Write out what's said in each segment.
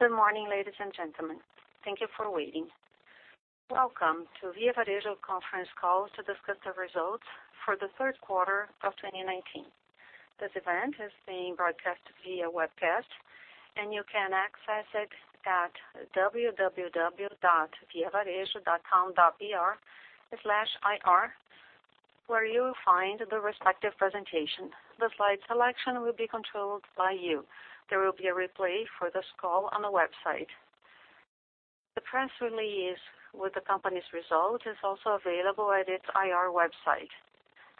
Good morning, ladies and gentlemen. Thank you for waiting. Welcome to Via Varejo conference call to discuss the results for the third quarter of 2019. This event is being broadcast via webcast, and you can access it at www.viavarejo.com.br/ir, where you will find the respective presentation. The slide selection will be controlled by you. There will be a replay for this call on the website. The press release with the company's results is also available at its IR website.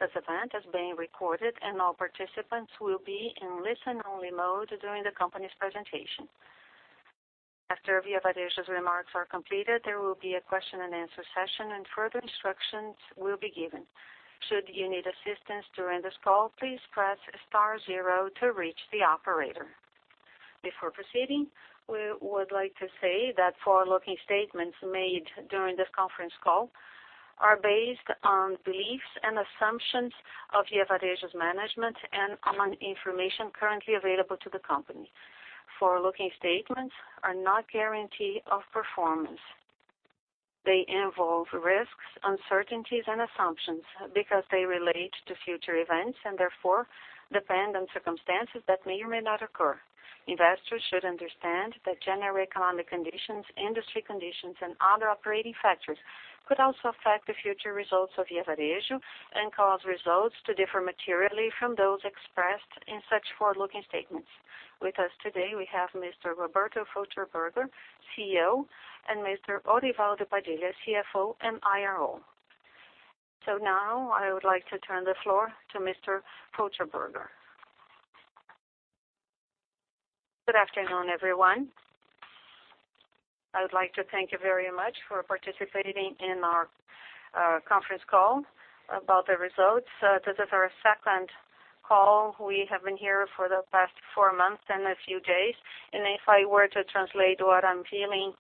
This event is being recorded, and all participants will be in listen-only mode during the company's presentation. After Via Varejo's remarks are completed, there will be a question-and-answer session, and further instructions will be given. Should you need assistance during this call, please press star zero to reach the operator. Before proceeding, we would like to say that forward-looking statements made during this conference call are based on beliefs and assumptions of Via Varejo's management and on information currently available to the company. Forward-looking statements are not guarantee of performance. They involve risks, uncertainties, and assumptions because they relate to future events and therefore depend on circumstances that may or may not occur. Investors should understand that general economic conditions, industry conditions, and other operating factors could also affect the future results of Via Varejo and cause results to differ materially from those expressed in such forward-looking statements. With us today, we have Mr. Roberto Fulcherberguer, CEO, and Mr. Orivaldo Padilha, CFO and IRO. Now I would like to turn the floor to Mr. Fulcherberguer. Good afternoon, everyone. I would like to thank you very much for participating in our conference call about the results. This is our second call. We have been here for the past four months and a few days. If I were to translate what I'm feeling,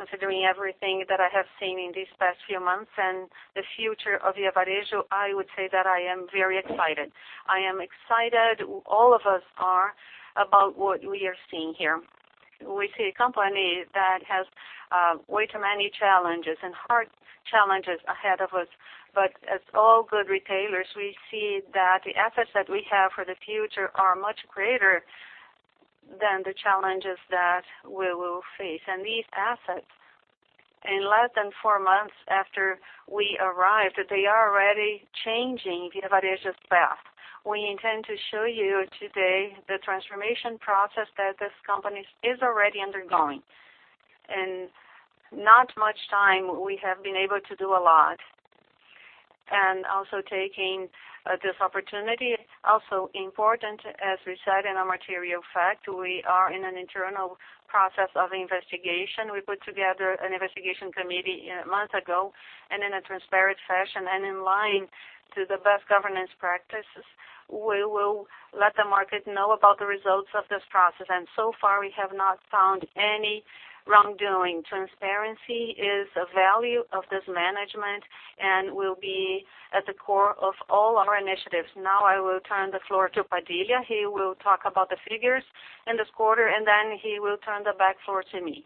considering everything that I have seen in these past few months and the future of Via Varejo, I would say that I am very excited. I am excited, all of us are, about what we are seeing here. We see a company that has way too many challenges and hard challenges ahead of us, but as all good retailers, we see that the assets that we have for the future are much greater than the challenges that we will face. These assets, in less than four months after we arrived, they are already changing Via Varejo's path. We intend to show you today the transformation process that this company is already undergoing. In not much time, we have been able to do a lot. Also taking this opportunity, also important, as we said in our material fact, we are in an internal process of investigation. We put together an investigation committee months ago. In a transparent fashion and in line to the best governance practices, we will let the market know about the results of this process. So far, we have not found any wrongdoing. Transparency is a value of this management and will be at the core of all our initiatives. Now, I will turn the floor to Padilha. He will talk about the figures in this quarter, and then he will turn the back floor to me.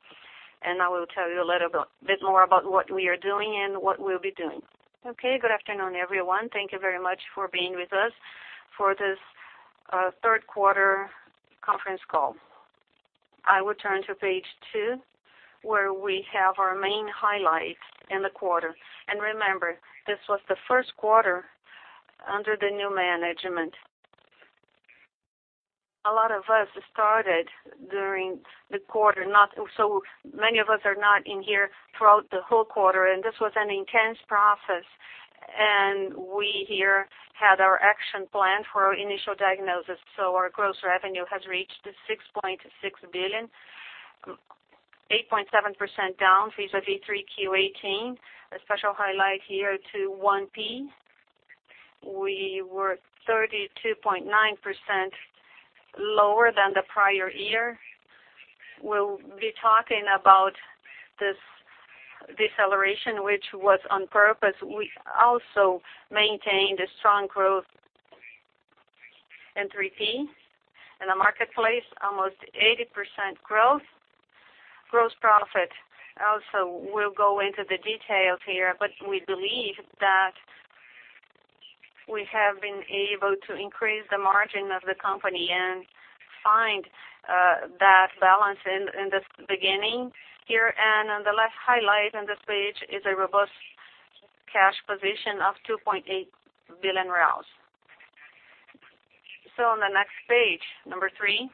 And I will tell you a little bit more about what we are doing and what we'll be doing. Okay, good afternoon, everyone. Thank you very much for being with us for this third quarter conference call. I will turn to page two, where we have our main highlights in the quarter. Remember, this was the first quarter under the new management. A lot of us started during the quarter. Many of us are not in here throughout the whole quarter, and this was an intense process. We here had our action plan for our initial diagnosis. Our gross revenue has reached 6.6 billion, 8.7% down vis-à-vis 3Q 2018. A special highlight here to 1P. We were 32.9% lower than the prior year. We will be talking about this deceleration, which was on purpose. We also maintained a strong growth in 3P. In the marketplace, almost 80% growth. Gross profit, also, we will go into the details here, but we believe that we have been able to increase the margin of the company and find that balance in this beginning here. On the last highlight on this page is a robust cash position of BRL 2.8 billion. On the next page, number three.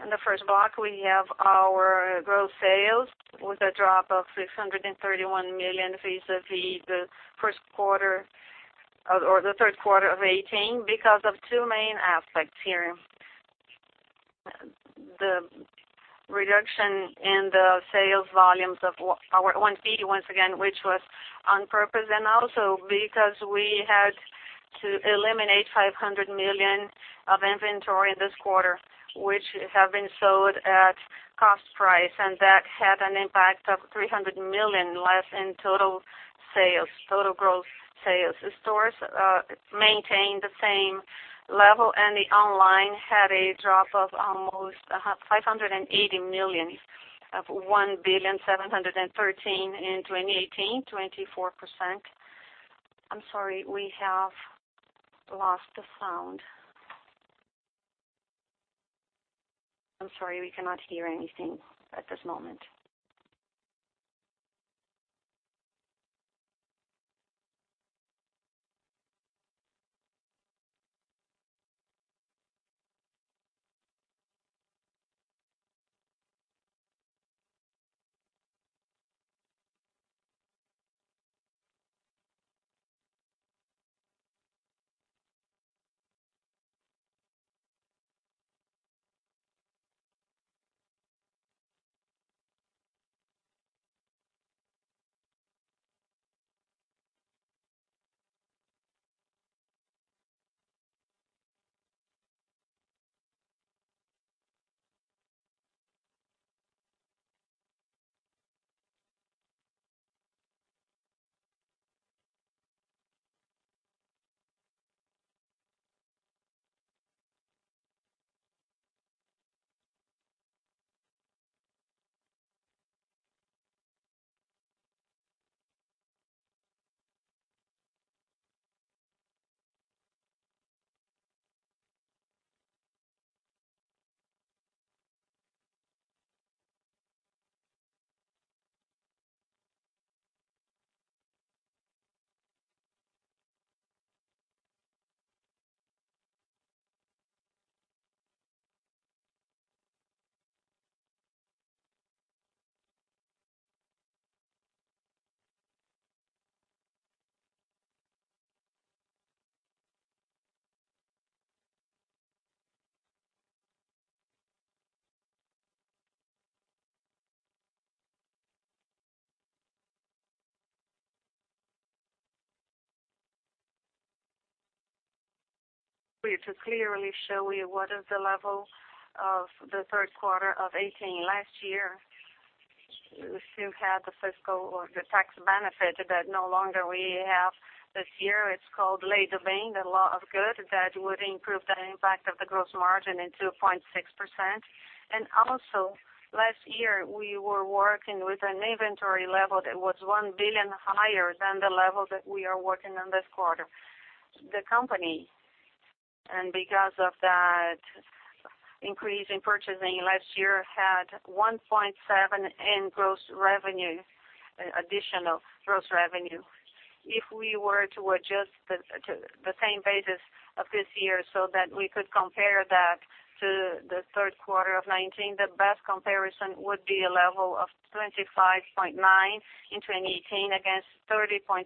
On the first block, we have our gross sales with a drop of 631 million vis-à-vis the first quarter or the third quarter of 2018 because of two main aspects here. The reduction in the sales volumes of our 1P, once again, which was on purpose, and also because we had to eliminate 500 million of inventory this quarter, which have been sold at cost price, and that had an impact of 300 million less in total sales, total gross sales. The stores maintained the same level, and the online had a drop of almost 580 million of 1.713 billion in 2018, 24%. I'm sorry, we have lost the sound. I'm sorry, we cannot hear anything at this moment. We just clearly show you what is the level of the third quarter of 2018. Last year, we still had the fiscal or the tax benefit that no longer we have this year. It's called Lei do Bem, the law of good, that would improve the impact of the gross margin in 2.6%. Last year, we were working with an inventory level that was 1 billion higher than the level that we are working on this quarter. The company, and because of that increase in purchasing last year, had 1.7 billion in gross revenue, additional gross revenue. If we were to adjust to the same basis of this year so that we could compare that to the third quarter of 2019, the best comparison would be a level of 25.9% in 2018 against 30.7%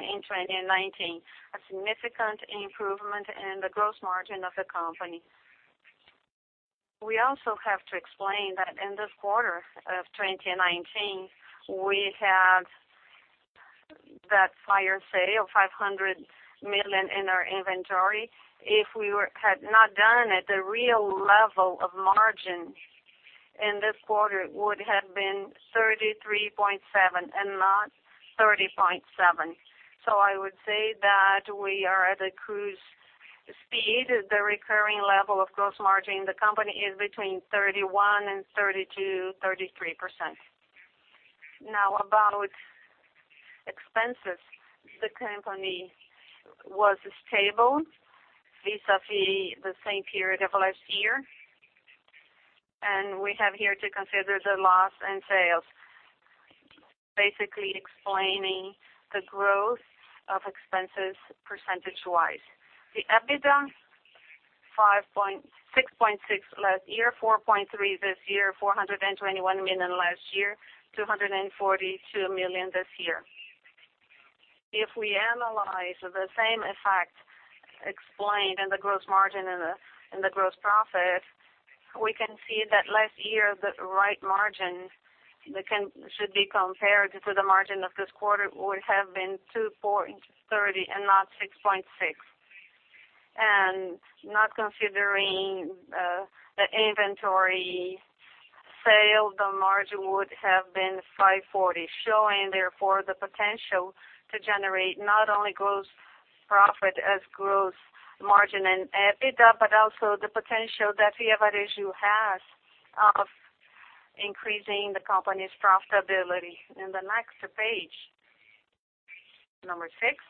in 2019, a significant improvement in the gross margin of the company. We also have to explain that in this quarter of 2019, we had that fire sale, 500 million in our inventory. If we had not done it, the real level of margin in this quarter would have been 33.7% and not 30.7%. I would say that we are at a cruise speed. The recurring level of gross margin in the company is between 31% and 32%, 33%. About expenses, the company was stable vis-à-vis the same period of last year. We have here to consider the loss in sales, basically explaining the growth of expenses percentage-wise. The EBITDA, 6.6% last year, 4.3% this year, 421 million last year, 242 million this year. When we analyze the same effect explained in the gross margin and the gross profit, we can see that last year, the right margin that should be compared to the margin of this quarter would have been 2.30% and not 6.6%. Not considering the inventory sale, the margin would have been 5.40%, showing therefore the potential to generate not only gross profit as gross margin and EBITDA, but also the potential that Via Varejo has of increasing the company's profitability. In the next page, number six,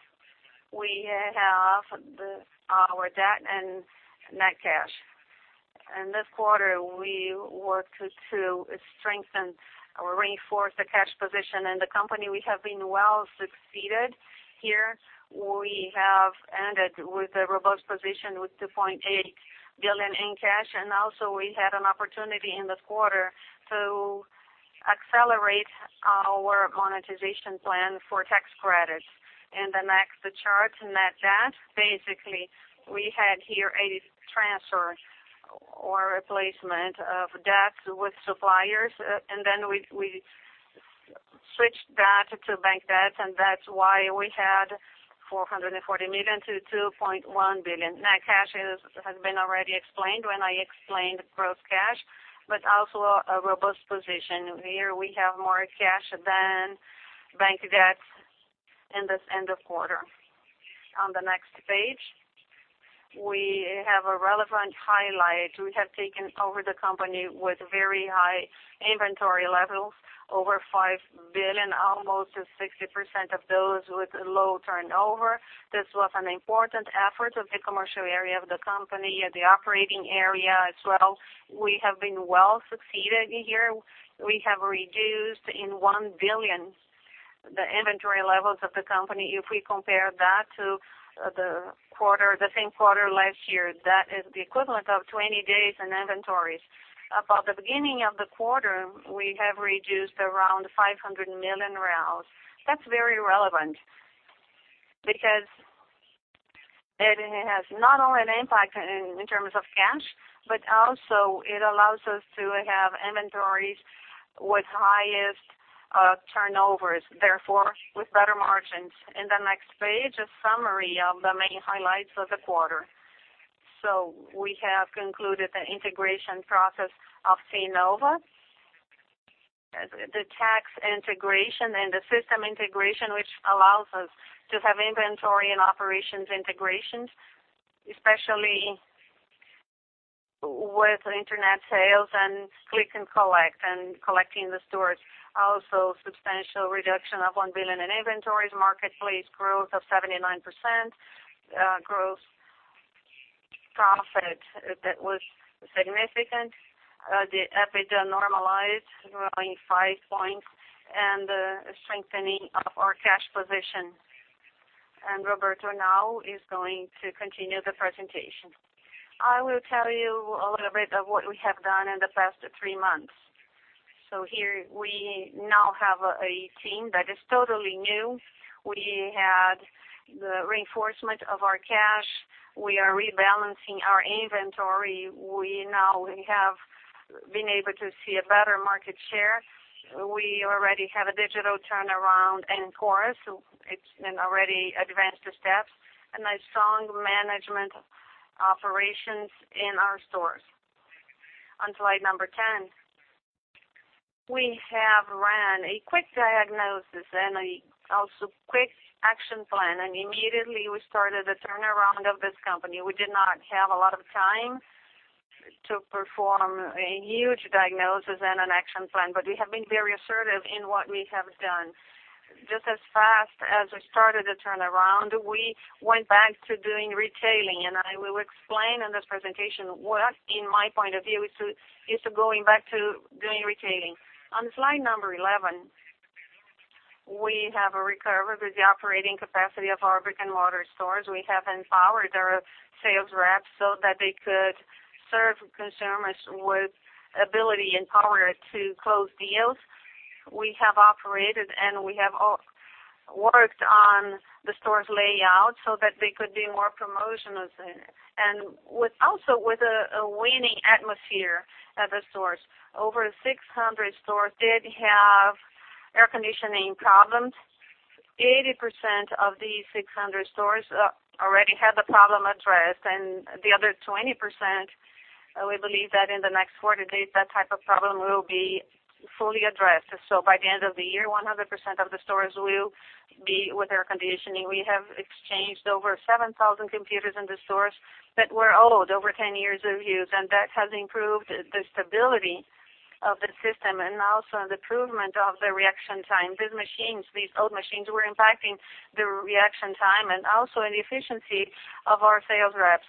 we have our debt and net cash. In this quarter, we worked to strengthen or reinforce the cash position in the company. We have been well succeeded here. We have ended with a robust position with 2.8 billion in cash. Also, we had an opportunity in this quarter to accelerate our monetization plan for tax credits. In the next chart, net debt, basically, we had here a transfer or replacement of debt with suppliers. Then we switched that to bank debt, and that's why we had 440 million-2.1 billion. Net cash has been already explained when I explained gross cash, but also a robust position. Here we have more cash than bank debt in this end of quarter. On the next page, we have a relevant highlight. We have taken over the company with very high inventory levels, over 5 billion, almost 60% of those with low turnover. This was an important effort of the commercial area of the company, the operating area as well. We have been well succeeded here. We have reduced, in 1 billion, the inventory levels of the company. If we compare that to the same quarter last year, that is the equivalent of 20 days in inventories. About the beginning of the quarter, we have reduced around 500 million. That's very relevant because it has not only an impact in terms of cash, but also it allows us to have inventories with highest turnovers, therefore with better margins. In the next page, a summary of the main highlights of the quarter. We have concluded the integration process of Cnova. The tax integration and the system integration, which allows us to have inventory and operations integrations, especially with internet sales and click and collect, and collect in the stores. Also, substantial reduction of 1 billion in inventories, marketplace growth of 79%, gross profit that was significant. The EBITDA normalized growing five points, and the strengthening of our cash position. Roberto now is going to continue the presentation. I will tell you a little bit of what we have done in the past three months. Here we now have a team that is totally new. We had the reinforcement of our cash. We are rebalancing our inventory. We now have been able to see a better market share. We already have a digital turnaround in course. It's in already advanced steps, and a strong management operations in our stores. On slide number 10, we have ran a quick diagnosis and also quick action plan, and immediately we started the turnaround of this company. We did not have a lot of time to perform a huge diagnosis and an action plan, but we have been very assertive in what we have done. Just as fast as we started the turnaround, we went back to doing retailing, and I will explain in this presentation what, in my point of view, is going back to doing retailing. On slide number 11, we have recovered the operating capacity of our brick-and-mortar stores. We have empowered our sales reps so that they could serve consumers with ability and power to close deals. We have operated, and we have worked on the stores' layout so that they could be more promotional, and also with a winning atmosphere at the stores. Over 600 stores did have air conditioning problems. A 80% of these 600 stores already have the problem addressed, the other 20%, we believe that in the next quarter date, that type of problem will be fully addressed. By the end of the year, 100% of the stores will be with air conditioning. We have exchanged over 7,000 computers in the stores that were old, over 10 years of use, and that has improved the stability of the system and also an improvement of the reaction time. These machines, these old machines, were impacting the reaction time and also the efficiency of our sales reps.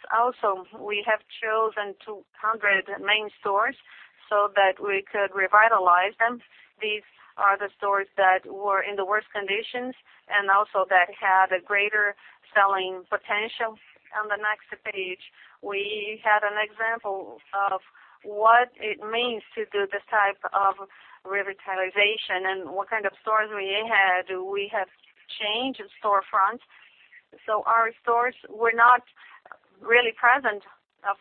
We have chosen 200 main stores so that we could revitalize them. These are the stores that were in the worst conditions and also that had a greater selling potential. On the next page, we have an example of what it means to do this type of revitalization and what kind of stores we had. We have changed storefronts, so our stores were not really present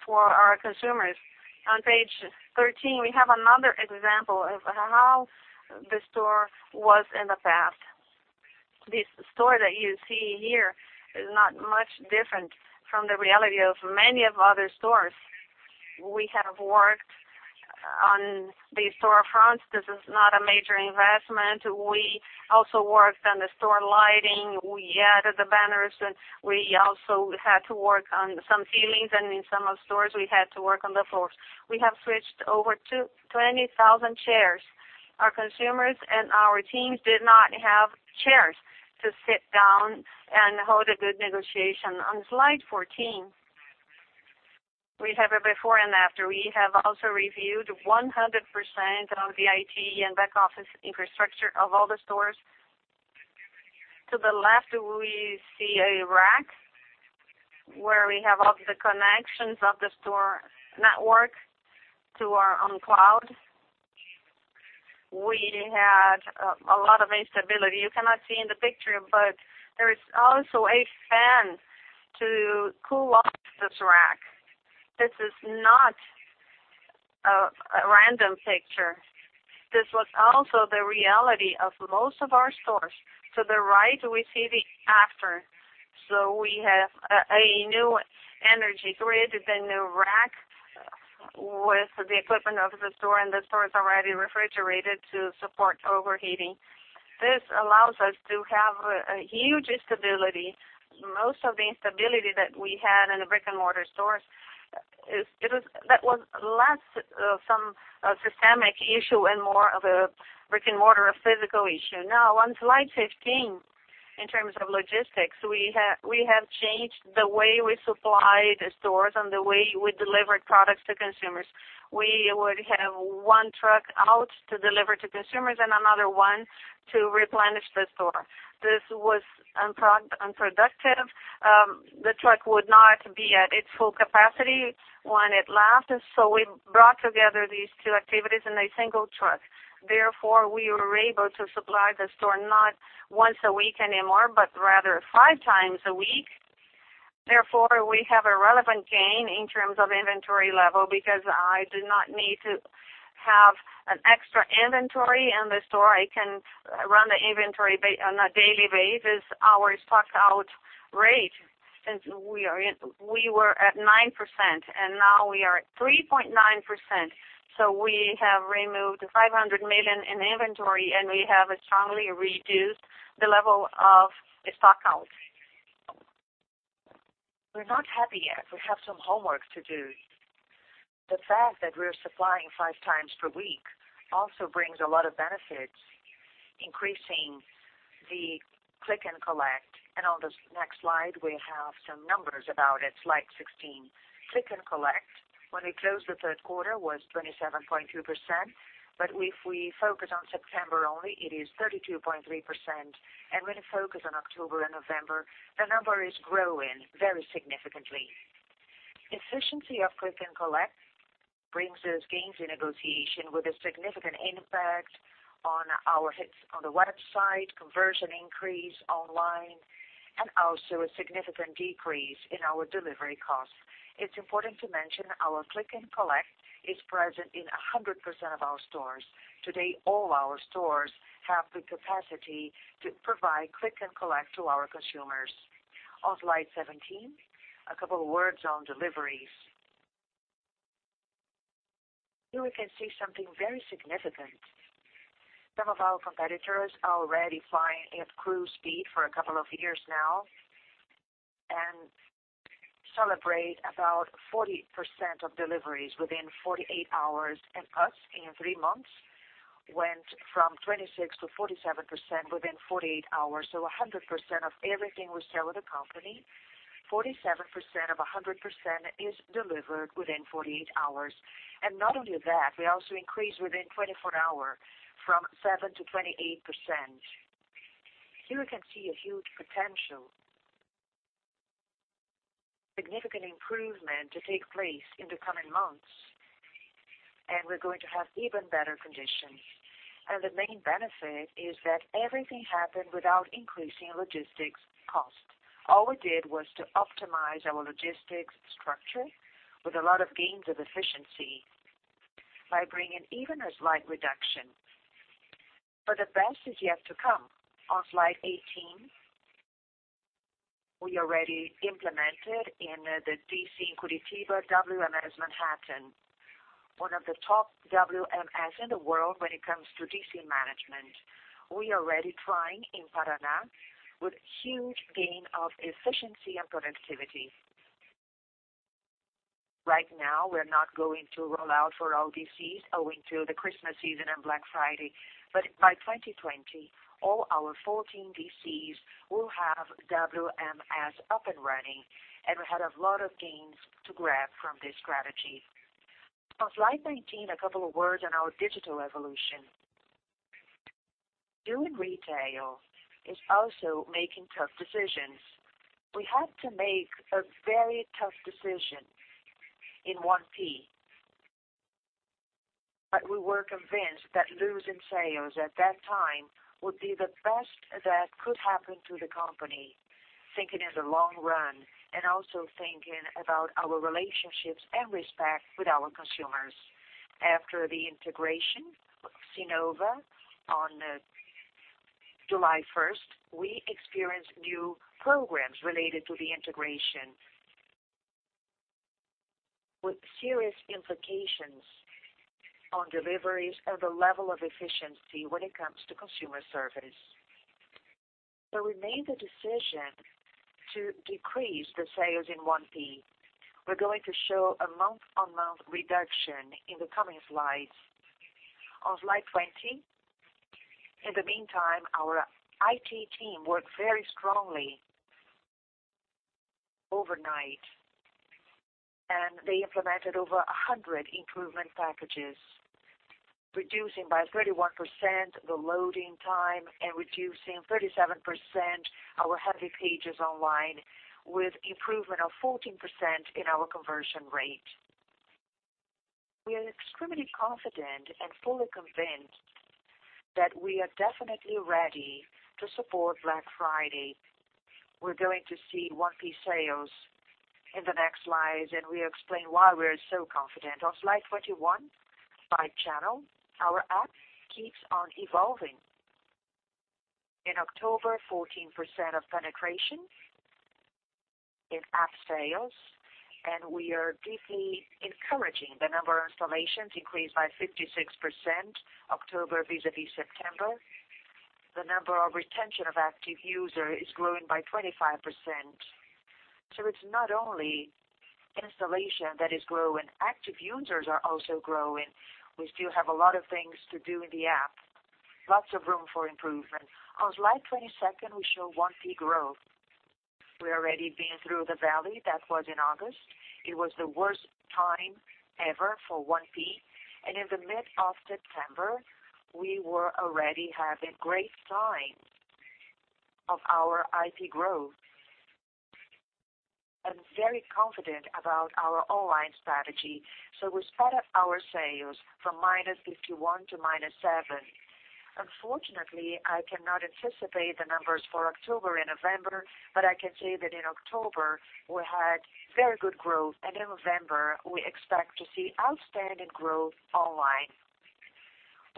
for our consumers. On page 13, we have another example of how the store was in the past. This store that you see here is not much different from the reality of many of other stores. We have worked on the storefronts. This is not a major investment. We also worked on the store lighting. We added the banners, and we also had to work on some ceilings, and in some stores, we had to work on the floors. We have switched over 20,000 chairs. Our consumers and our teams did not have chairs to sit down and hold a good negotiation. On slide 14, we have a before and after. We have also reviewed 100% of the IT and back-office infrastructure of all the stores. To the left, we see a rack where we have all the connections of the store network to our own cloud. We had a lot of instability. You cannot see in the picture, but there is also a fan to cool off this rack. This is not a random picture. This was also the reality of most of our stores. To the right, we see the after. We have a new energy grid, the new rack with the equipment of the store, and the store is already refrigerated to support overheating. This allows us to have a huge stability. Most of the instability that we had in the brick-and-mortar stores, that was less of some systemic issue and more of a brick-and-mortar physical issue. On slide 15, in terms of logistics, we have changed the way we supply the stores and the way we deliver products to consumers. We would have one truck out to deliver to consumers and another one to replenish the store. This was unproductive. The truck would not be at its full capacity when it left. We brought together these two activities in a single truck. We were able to supply the store not once a week anymore, but rather 5x a week. We have a relevant gain in terms of inventory level, because I do not need to have an extra inventory in the store. I can run the inventory on a daily basis. Our stockout rate, we were at 9%. Now we are at 3.9%. We have removed 500 million in inventory. We have strongly reduced the level of stockout. We're not happy yet. We have some homework to do. The fact that we're supplying five times per week also brings a lot of benefits, increasing the click and collect. On the next slide, we have some numbers about it. Slide 16. Click and collect, when we closed the third quarter, was 27.2%. If we focus on September only, it is 32.3%. When you focus on October and November, the number is growing very significantly. Efficiency of click and collect brings us gains in negotiation with a significant impact on our hits on the website, conversion increase online, and also a significant decrease in our delivery costs. It's important to mention our click and collect is present in 100% of our stores. Today, all our stores have the capacity to provide click and collect to our consumers. On slide 17, a couple words on deliveries. Here we can see something very significant. Some of our competitors are already flying at cruise speed for a couple of years now and celebrate about 40% of deliveries within 48 hours. Us, in three months, went from 26%-47% within 48 hours. A 100% of everything we sell at the company, 47% of 100% is delivered within 48 hours. Not only that, we also increased within 24 hours from 7%-28%. Here we can see a huge potential, significant improvement to take place in the coming months, and we're going to have even better conditions. The main benefit is that everything happened without increasing logistics cost. All we did was to optimize our logistics structure with a lot of gains of efficiency by bringing even a slight reduction. The best is yet to come. On slide 18, we already implemented in the DC in Curitiba, WMS Manhattan, one of the top WMS in the world when it comes to DC management. We're already trying in Paraná with huge gain of efficiency and productivity. Right now, we're not going to roll out for all DCs owing to the Christmas season and Black Friday. By 2020, all our 14 DCs will have WMS up and running. We have a lot of gains to grab from this strategy. On slide 19, a couple of words on our digital evolution. Doing retail is also making tough decisions. We had to make a very tough decision in 1P, but we were convinced that losing sales at that time would be the best that could happen to the company, thinking in the long run, and also thinking about our relationships and respect with our consumers. After the integration with Cnova on July 1st, we experienced new programs related to the integration with serious implications on deliveries and the level of efficiency when it comes to consumer service. We made the decision to decrease the sales in 1P. We're going to show a month-on-month reduction in the coming slides on slide 20. In the meantime, our IT team worked very strongly overnight, and they implemented over 100 improvement packages, reducing by 31% the loading time and reducing 37% our heavy pages online, with improvement of 14% in our conversion rate. We are extremely confident and fully convinced that we are definitely ready to support Black Friday. We're going to see 1P sales in the next slide, and we explain why we're so confident. On slide 21, by channel, our app keeps on evolving. In October, 14% of penetration in app sales, and we are deeply encouraging. The number of installations increased by 56% October vis-à-vis September. The number of retention of active user is growing by 25%. It's not only installation that is growing. Active users are also growing. We still have a lot of things to do in the app. Lots of room for improvement. On slide 22, we show 1P growth. We've already been through the valley, that was in August. It was the worst time ever for 1P. In mid-September, we were already having great signs of our 1P growth and very confident about our online strategy. We started our sales from -51% to -7%. Unfortunately, I cannot anticipate the numbers for October and November, but I can say that in October, we had very good growth. In November, we expect to see outstanding growth online.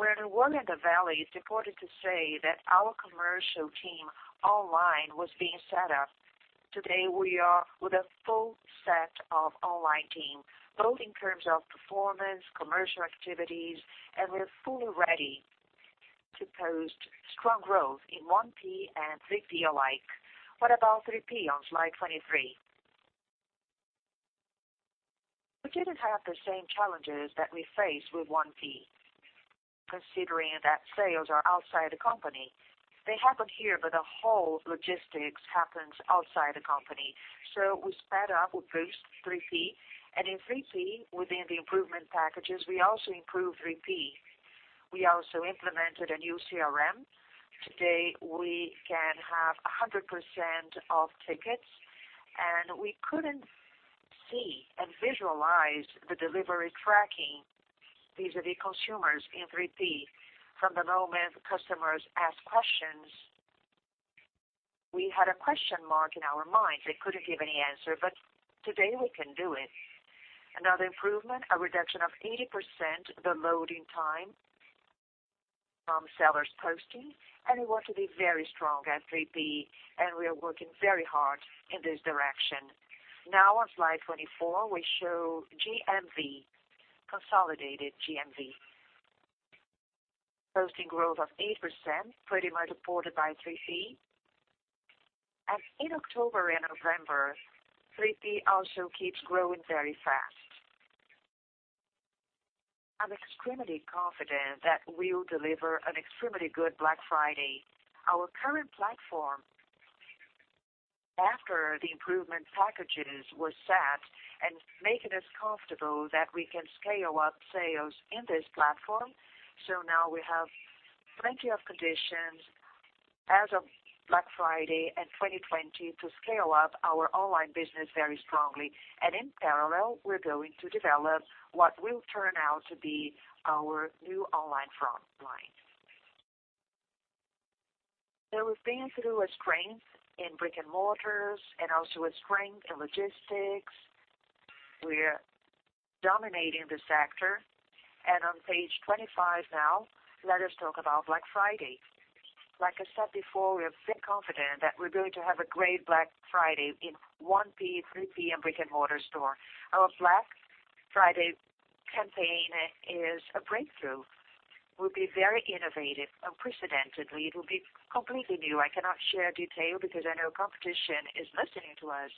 When we were in the valley, it's important to say that our commercial team online was being set up. Today, we are with a full set of online team, both in terms of performance, commercial activities, and we're fully ready to post strong growth in 1P and 3P alike. What about 3P on slide 23? We didn't have the same challenges that we faced with 1P, considering that sales are outside the company. They happen here, but the whole logistics happens outside the company. We sped up, we boost 3P, and in 3P, within the improvement packages, we also improved 3P. We also implemented a new CRM. Today, we can have 100% of tickets, and we couldn't see and visualize the delivery tracking vis-à-vis consumers in 3P. From the moment customers ask questions, we had a question mark in our minds. We couldn't give any answer. Today we can do it. Another improvement, a reduction of 80% the loading time from sellers posting, and we want to be very strong at 3P, and we are working very hard in this direction. On slide 24, we show GMV, consolidated GMV. Posting growth of 8%, pretty much supported by 3P. In October and November, 3P also keeps growing very fast. I'm extremely confident that we'll deliver an extremely good Black Friday. Our current platform, after the improvement packages, was set and making us comfortable that we can scale up sales in this platform. Now we have plenty of conditions as of Black Friday and 2020 to scale up our online business very strongly. In parallel, we're going to develop what will turn out to be our new online front line. We've been through a strength in brick and mortars and also a strength in logistics. We're dominating the sector. On page 25 now, let us talk about Black Friday. Like I said before, we are very confident that we're going to have a great Black Friday in 1P, 3P, and brick-and-mortar store. Our Black Friday campaign is a breakthrough. We'll be very innovative, unprecedentedly. It will be completely new. I cannot share detail because I know competition is listening to us.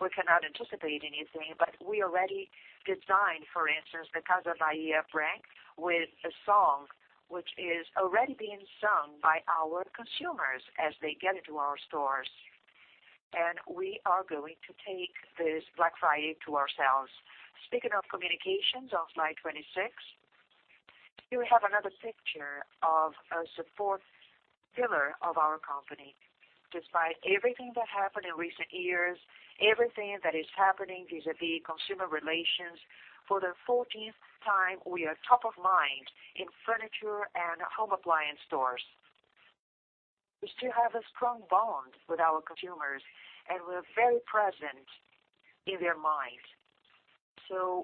We cannot anticipate anything, but we already designed, for instance, the Casas Bahia brand with a song, which is already being sung by our consumers as they get into our stores. We are going to take this Black Friday to ourselves. Speaking of communications on slide 26, here we have another picture of a support pillar of our company. Despite everything that happened in recent years, everything that is happening vis-à-vis consumer relations, for the 14th time, we are top of mind in furniture and home appliance stores. We still have a strong bond with our consumers, and we're very present in their minds.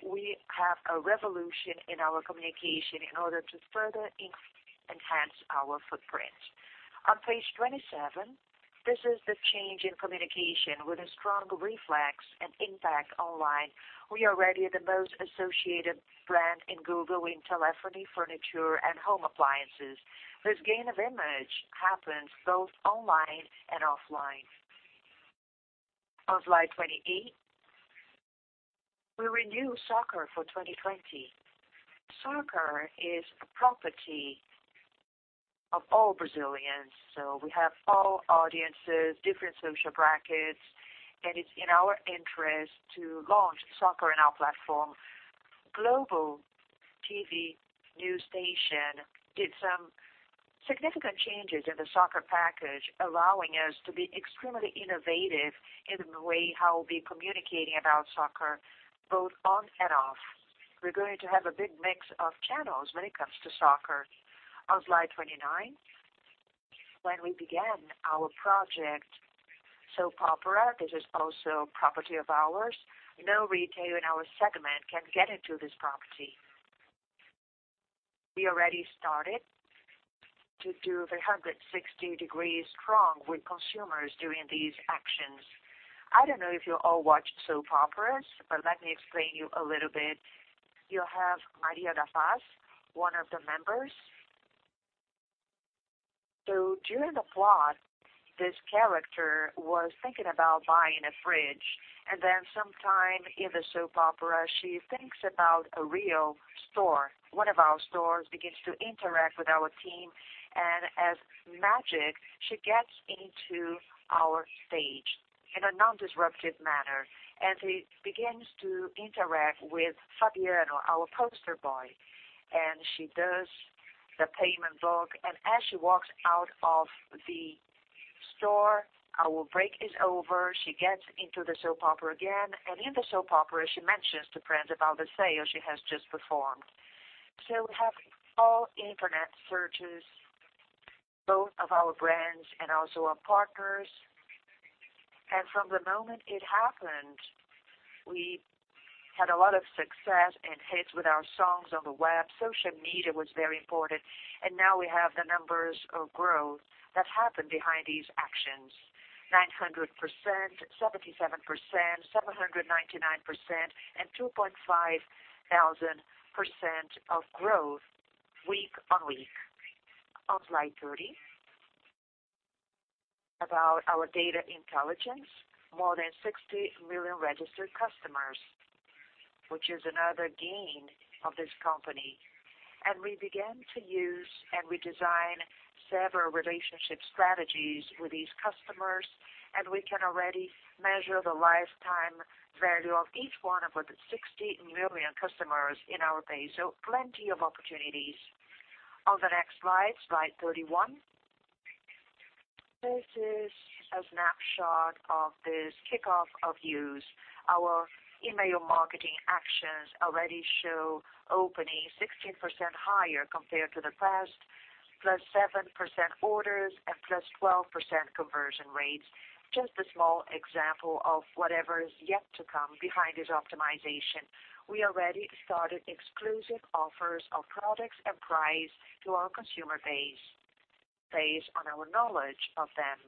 We have a revolution in our communication in order to further enhance our footprint. On page 27, this is the change in communication with a strong reflex and impact online. We are already the most associated brand in Google in telephony, furniture, and home appliances. This gain of image happens both online and offline. On slide 28, we renew soccer for 2020. Soccer is a property of all Brazilians. We have all audiences, different social brackets. It's in our interest to launch soccer in our platform. TV Globo news station did some significant changes in the soccer package allowing us to be extremely innovative in the way we'll be communicating about soccer, both on and off. We're going to have a big mix of channels when it comes to soccer. On slide 29. When we began our project, soap opera, this is also property of ours. No retailer in our segment can get into this property. We already started to do 360 degrees strong with consumers during these actions. I don't know if you all watch soap operas, let me explain you a little bit. You have Maria da Paz, one of the members. During the plot, this character was thinking about buying a fridge, sometime in the soap opera, she thinks about a real store. One of our stores begins to interact with our team, as magic, she gets into our stage in a non-disruptive manner, she begins to interact with Fabiano, our poster boy. She does the payment book, as she walks out of the store, our break is over. She gets into the soap opera again, in the soap opera, she mentions to friends about the sale she has just performed. We have all internet searches, both of our brands and also our partners. From the moment it happened, we had a lot of success and hits with our songs on the web. Social media was very important, and now we have the numbers of growth that happened behind these actions, 900%, 77%, 799%, and 2,500% of growth week-on-week. On slide 30. About our data intelligence, more than 60 million registered customers, which is another gain of this company. We began to use, and we design several relationship strategies with these customers, and we can already measure the lifetime value of each one of the 60 million customers in our base. Plenty of opportunities. On the next slide 31. This is a snapshot of this kickoff of use. Our email marketing actions already show opening 16% higher compared to the past, +7% orders and +12% conversion rates. Just a small example of whatever is yet to come behind this optimization. We already started exclusive offers of products and price to our consumer base on our knowledge of them.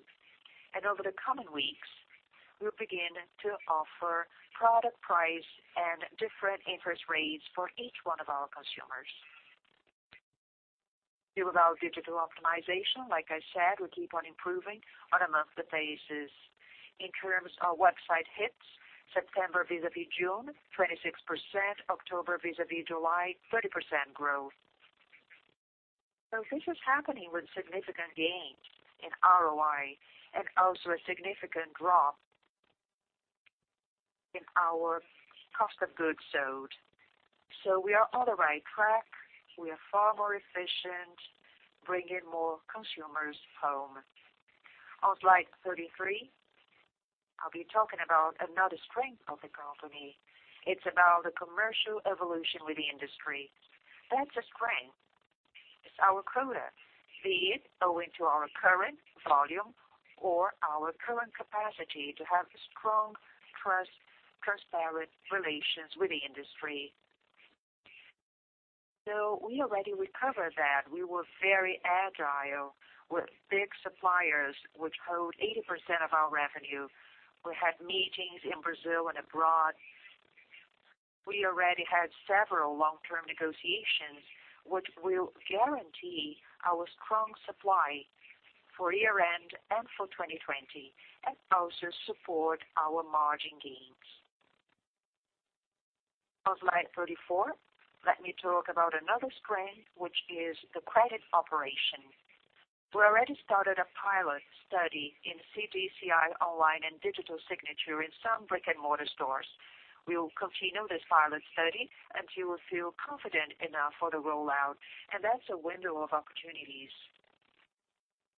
Over the coming weeks, we'll begin to offer product price and different interest rates for each one of our consumers. With our digital optimization, like I said, we keep on improving on a monthly basis. In terms of website hits, September vis-à-vis June, 26%, October vis-à-vis July, 30% growth. This is happening with significant gains in ROI and also a significant drop in our cost of goods sold. We are on the right track. We are far more efficient, bringing more consumers home. On slide 33, I'll be talking about another strength of the company. It's about the commercial evolution with the industry. That's a strength. It's our quota, be it owing to our current volume or our current capacity to have strong, transparent relations with the industry. We already recovered that. We were very agile with big suppliers, which hold 80% of our revenue. We had meetings in Brazil and abroad. We already had several long-term negotiations, which will guarantee our strong supply for year-end and for 2020, and also support our margin gains. On slide 34, let me talk about another strength, which is the credit operation. We already started a pilot study in CDCI online and digital signature in some brick-and-mortar stores. We will continue this pilot study until we feel confident enough for the rollout, and that's a window of opportunities.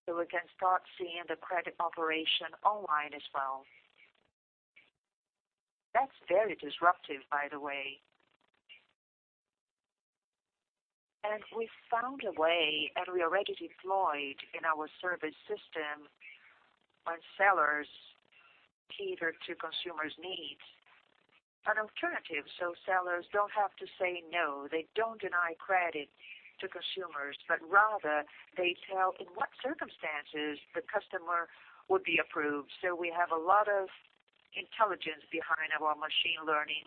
We can start seeing the credit operation online as well. That's very disruptive, by the way. We found a way, and we already deployed in our service system, our sellers cater to consumers' needs, an alternative so sellers don't have to say no. They don't deny credit to consumers, rather they tell in what circumstances the customer would be approved. We have a lot of intelligence behind our machine learning.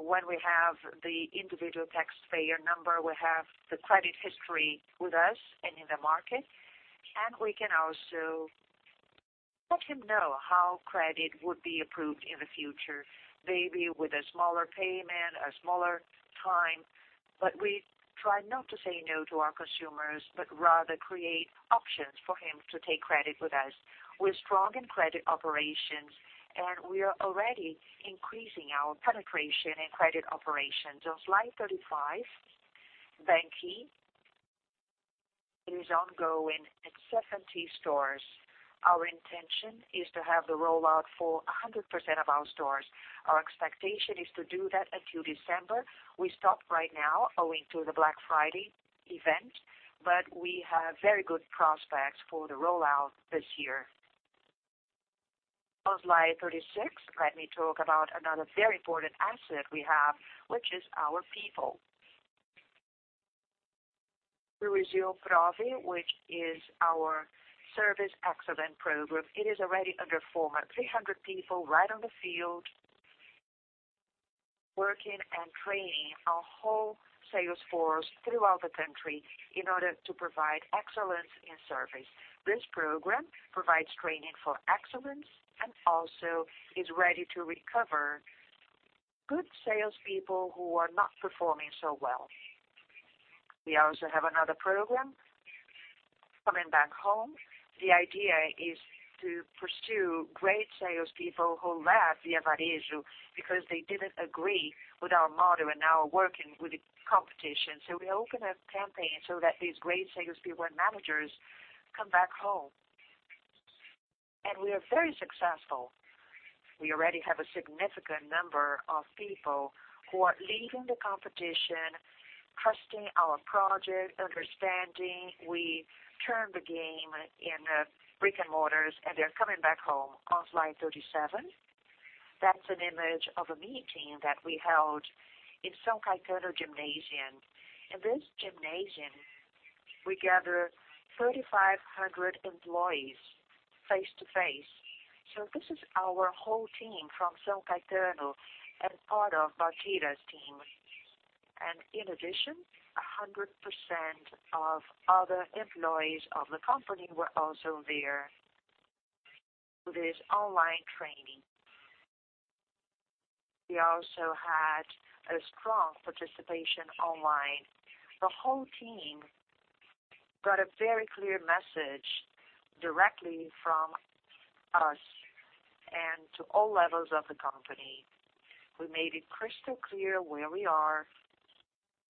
When we have the individual taxpayer number, we have the credit history with us and in the market, and we can also let him know how credit would be approved in the future, maybe with a smaller payment, a smaller time. We try not to say no to our consumers, rather create options for him to take credit with us. We're strong in credit operations, and we are already increasing our penetration in credit operations. On slide 35, banQi. It is ongoing at 70 stores. Our intention is to have the rollout for 100% of our stores. Our expectation is to do that until December. We stop right now owing to the Black Friday event, but we have very good prospects for the rollout this year. On slide 36, let me talk about another very important asset we have, which is our people. We resume PROVE, which is our service excellence program. It is already under 300 people right on the field, working and training our whole sales force throughout the country in order to provide excellence in service. This program provides training for excellence and also is ready to recover good salespeople who are not performing so well. We also have another program, Coming Back Home. The idea is to pursue great salespeople who left Via Varejo because they didn't agree with our model and now are working with the competition. We opened a campaign so that these great salespeople and managers come back home. We are very successful. We already have a significant number of people who are leaving the competition, trusting our project, understanding we turned the game in the brick-and-mortars, and they're Coming Back Home. On slide 37, that's an image of a meeting that we held in São Caetano gymnasium. In this gymnasium, we gathered 3,500 employees face-to-face. This is our whole team from São Caetano and part of Bartira's team. In addition, 100% of other employees of the company were also there with this online training. We also had a strong participation online. The whole team got a very clear message directly from us and to all levels of the company. We made it crystal clear where we are,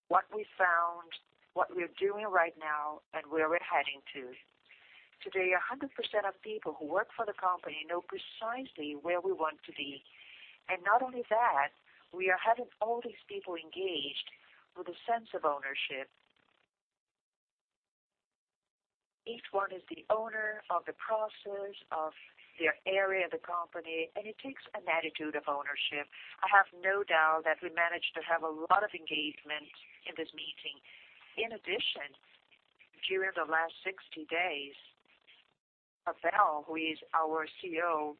what we found, what we're doing right now, and where we're heading to. Today, 100% of people who work for the company know precisely where we want to be. Not only that, we are having all these people engaged with a sense of ownership. Each one is the owner of the process, of their area of the company, and it takes an attitude of ownership. I have no doubt that we managed to have a lot of engagement in this meeting. In addition, during the last 60 days, Abel, who is our CEO,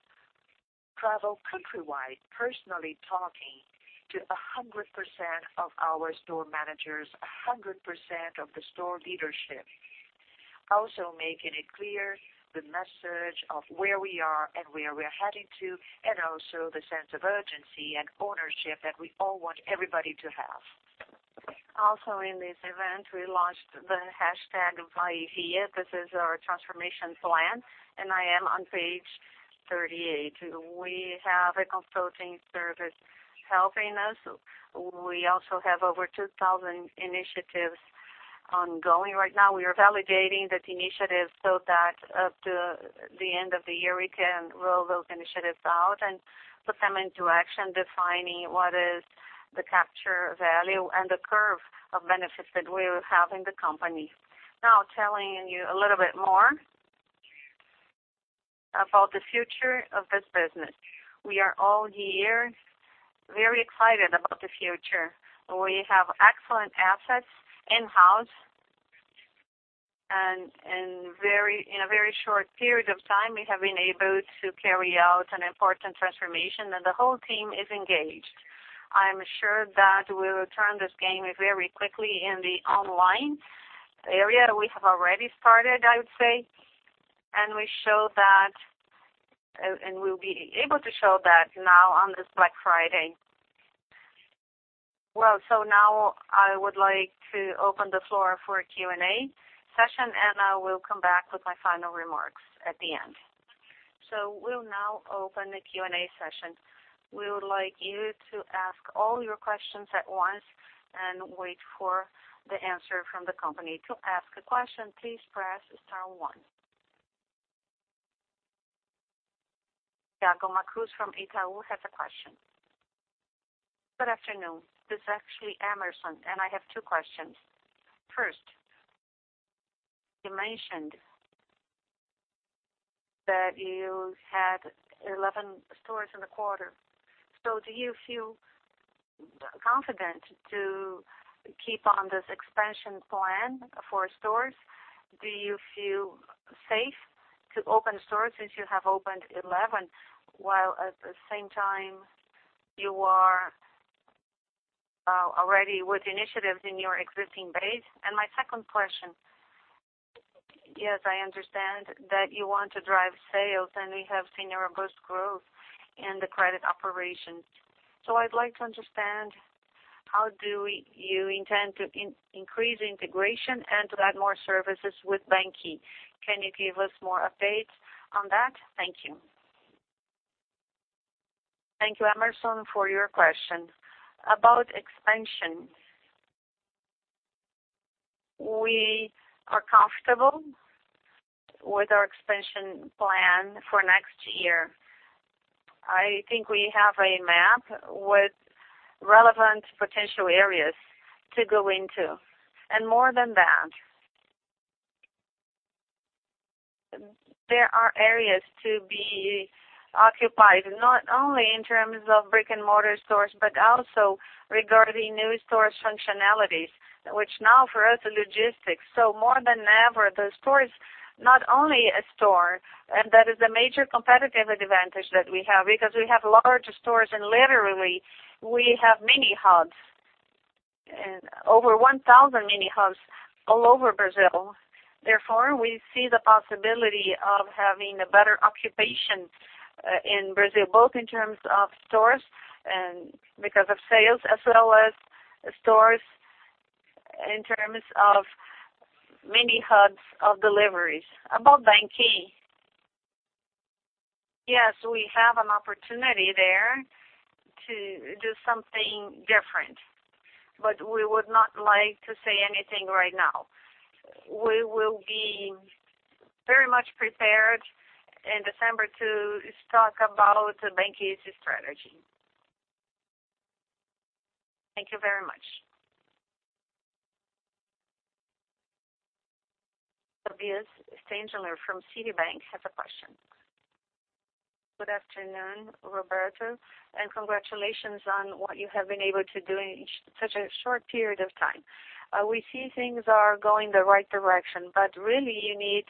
traveled countrywide, personally talking to 100% of our store managers, 100% of the store leadership. Making it clear the message of where we are and where we're heading to, and also the sense of urgency and ownership that we all want everybody to have. In this event, we launched the #VAI VIA. This is our transformation plan, and I am on page 38. We have a consulting service helping us. We also have over 2,000 initiatives ongoing right now. We are validating the initiatives so that up to the end of the year, we can roll those initiatives out and put them into action, defining what is the capture value and the curve of benefits that we will have in the company. Now telling you a little bit more about the future of this business. We are all here very excited about the future. We have excellent assets in-house, and in a very short period of time, we have been able to carry out an important transformation, and the whole team is engaged. I'm sure that we'll turn this game very quickly in the online area. We have already started, I would say, and we'll be able to show that now on this Black Friday. Well, now I would like to open the floor for a Q&A session, and I will come back with my final remarks at the end. We'll now open the Q&A session. We would like you to ask all your questions at once and wait for the answer from the company. To ask a question, please press star one. [Thiago Macruz] from Itaú has a question. Good afternoon. This is actually [Emerson]. I have two questions. First, you mentioned that you had 11 stores in the quarter. Do you feel confident to keep on this expansion plan for stores? Do you feel safe to open stores since you have opened 11, while at the same time you are already with initiatives in your existing base? My second question, yes, I understand that you want to drive sales, and we have seen a robust growth in the credit operations. I'd like to understand how do you intend to increase integration and to add more services with banQi? Can you give us more updates on that? Thank you, [Emerson], for your question. About expansion, we are comfortable with our expansion plan for next year. I think we have a map with relevant potential areas to go into. More than that, there are areas to be occupied, not only in terms of brick-and-mortar stores, but also regarding new store functionalities, which now for us are logistics. More than ever, the store is not only a store, and that is a major competitive advantage that we have, because we have larger stores and literally, we have mini hubs. Over 1,000 mini hubs all over Brazil. Therefore, we see the possibility of having a better occupation in Brazil, both in terms of stores, and because of sales, as well as stores in terms of mini hubs of deliveries. About banQi. Yes, we have an opportunity there to do something different, but we would not like to say anything right now. We will be very much prepared in December to talk about banQi's strategy. Thank you very much. Tobias Stingelin from Citibank has a question. Good afternoon, Roberto, and congratulations on what you have been able to do in such a short period of time. We see things are going the right direction, really you need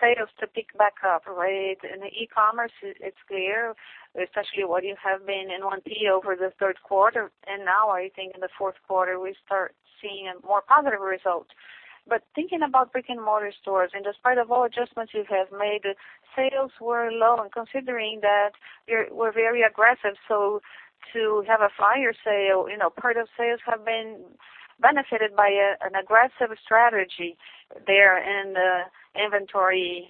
sales to pick back up, right? In the e-commerce, it's clear, especially what you have been in 1P over the third quarter, and now I think in the fourth quarter, we start seeing a more positive result. Thinking about brick-and-mortar stores, and despite of all adjustments you have made, sales were low. Considering that you were very aggressive, to have a fire sale, part of sales have been benefited by an aggressive strategy there, and the inventory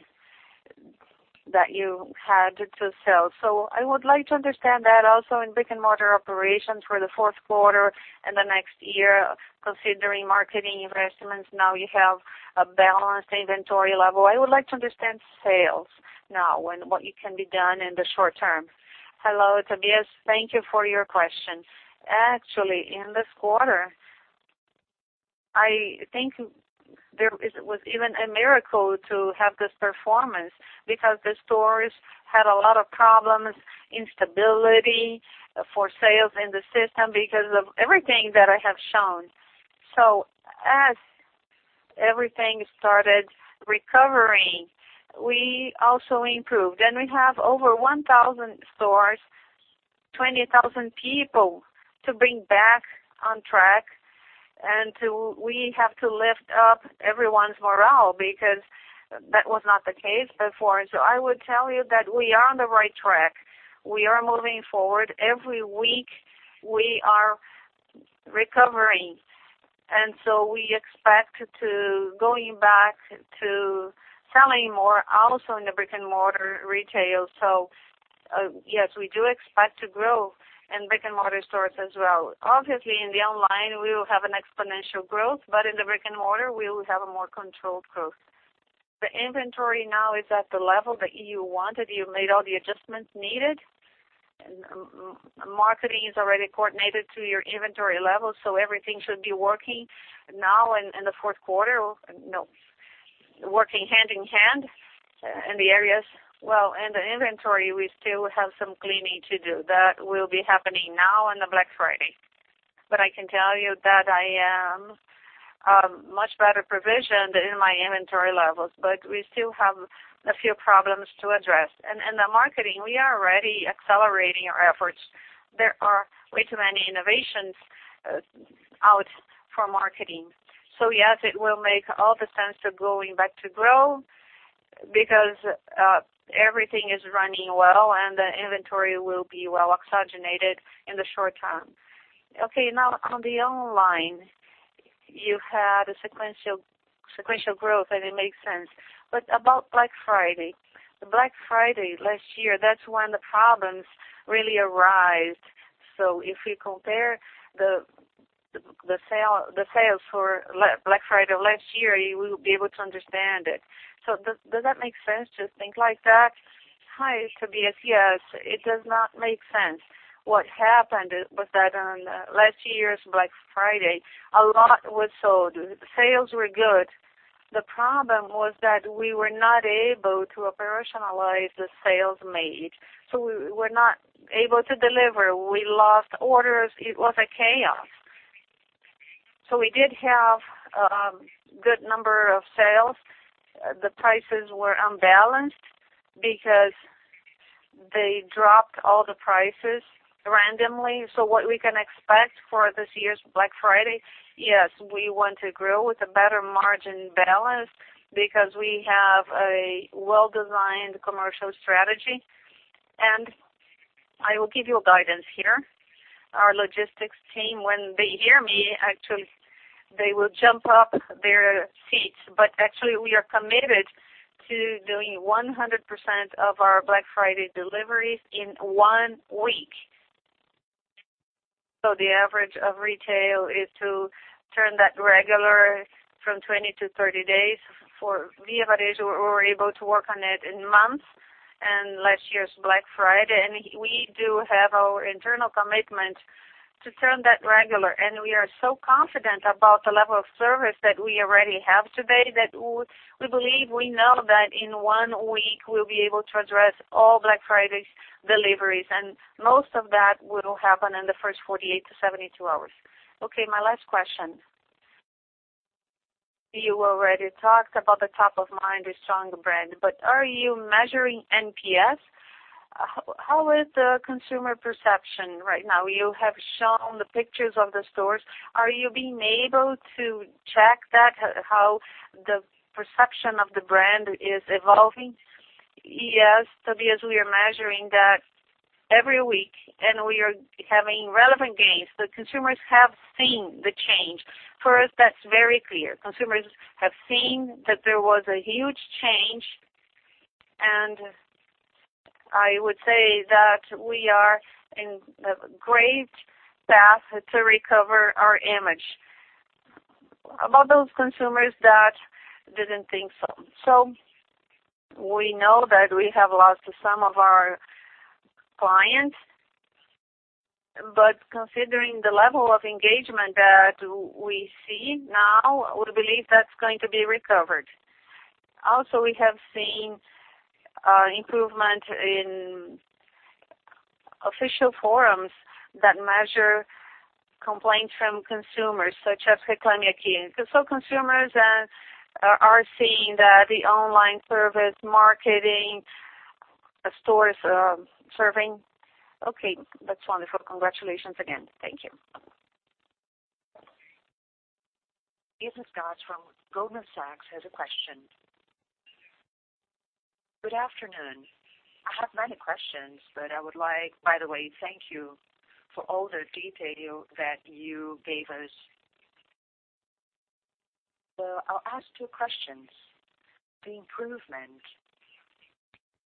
that you had to sell. I would like to understand that also in brick-and-mortar operations for the fourth quarter and the next year, considering marketing investments, now you have a balanced inventory level. I would like to understand sales now and what can be done in the short term? Hello, Tobias. Thank you for your question. Actually, in this quarter, I think there was even a miracle to have this performance because the stores had a lot of problems, instability for sales in the system because of everything that I have shown. As everything started recovering, we also improved. We have over 1,000 stores, 20,000 people to bring back on track. We have to lift up everyone's morale because that was not the case before. I would tell you that we are on the right track. We are moving forward. Every week we are recovering. We expect to going back to selling more also in the brick-and-mortar retail. Yes, we do expect to grow in brick-and-mortar stores as well. Obviously, in the online, we will have an exponential growth, but in the brick-and-mortar, we will have a more controlled growth. The inventory now is at the level that you wanted. You made all the adjustments needed. Marketing is already coordinated to your inventory level. Everything should be working now in the fourth quarter. No. Working hand in hand in the areas. Well, in the inventory, we still have some cleaning to do. That will be happening now on the Black Friday. I can tell you that I am much better provisioned in my inventory levels, but we still have a few problems to address. In the marketing, we are already accelerating our efforts. There are way too many innovations out for marketing. Yes, it will make all the sense to going back to grow because everything is running well, and the inventory will be well-oxygenated in the short term. Okay. On the online, you had a sequential growth, and it makes sense. About Black Friday. Black Friday last year, that's when the problems really arise. If we compare the sales for Black Friday of last year, you will be able to understand it. Does that make sense to think like that? Hi, Tobias. Yes, it does not make sense. What happened was that on last year's Black Friday, a lot was sold. Sales were good. The problem was that we were not able to operationalize the sales made. We were not able to deliver. We lost orders. It was a chaos. We did have a good number of sales. The prices were unbalanced because they dropped all the prices randomly. What we can expect for this year's Black Friday, yes, we want to grow with a better margin balance because we have a well-designed commercial strategy. I will give you a guidance here. Our logistics team, when they hear me, actually, they will jump up their seats. Actually, we are committed to doing 100% of our Black Friday deliveries in one week. The average of retail is to turn that regular from 20-30 days. For Via Varejo, we were able to work on it in months, last year's Black Friday, and we do have our internal commitment to turn that regular. We are so confident about the level of service that we already have today that we believe we know that in one week we'll be able to address all Black Friday's deliveries, and most of that will happen in the first 48-72 hours. Okay, my last question. You already talked about the top of mind is strong brand. Are you measuring NPS? How is the consumer perception right now? You have shown the pictures of the stores. Are you being able to check that, how the perception of the brand is evolving? Yes, Tobias, we are measuring that every week, and we are having relevant gains. The consumers have seen the change. For us, that's very clear. Consumers have seen that there was a huge change, and I would say that we are in a great path to recover our image. About those consumers that didn't think so. We know that we have lost some of our clients. Considering the level of engagement that we see now, I would believe that's going to be recovered. Also, we have seen improvement in official forums that measure complaints from consumers, such as Reclame AQUI. Consumers are seeing that the online service, marketing, stores serving. Okay, that's wonderful. Congratulations again. Thank you. Irma Sgarz from Goldman Sachs has a question. Good afternoon. I have many questions. I would like. By the way, thank you for all the detail that you gave us. I'll ask two questions. The improvement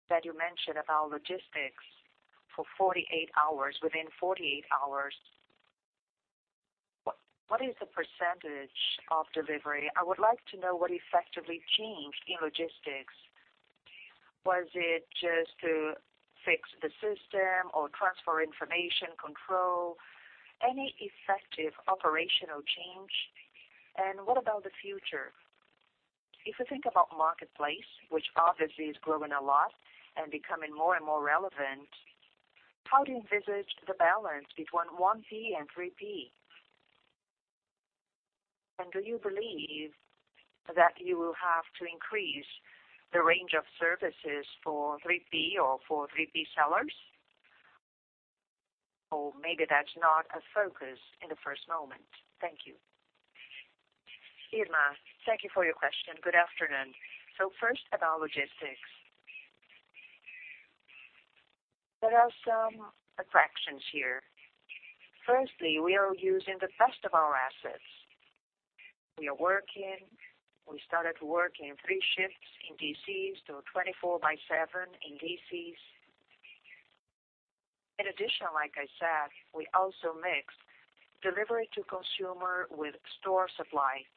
that you mentioned about logistics for 48 hours, within 48 hours, what is the percentage of delivery? I would like to know what effectively changed in logistics. Was it just to fix the system or transfer information control? Any effective operational change? What about the future? If you think about Marketplace, which obviously is growing a lot and becoming more and more relevant, how do you envisage the balance between 1P and 3P? Do you believe that you will have to increase the range of services for 3P or for 3P sellers? Maybe that's not a focus in the first moment. Thank you. Irma, thank you for your question. Good afternoon. First about logistics. There are some attractions here. Firstly, we are using the best of our assets. We are working. We started working three shifts in DCs, so 24x7 in DCs. In addition, like I said, we also mix delivery to consumer with store supply.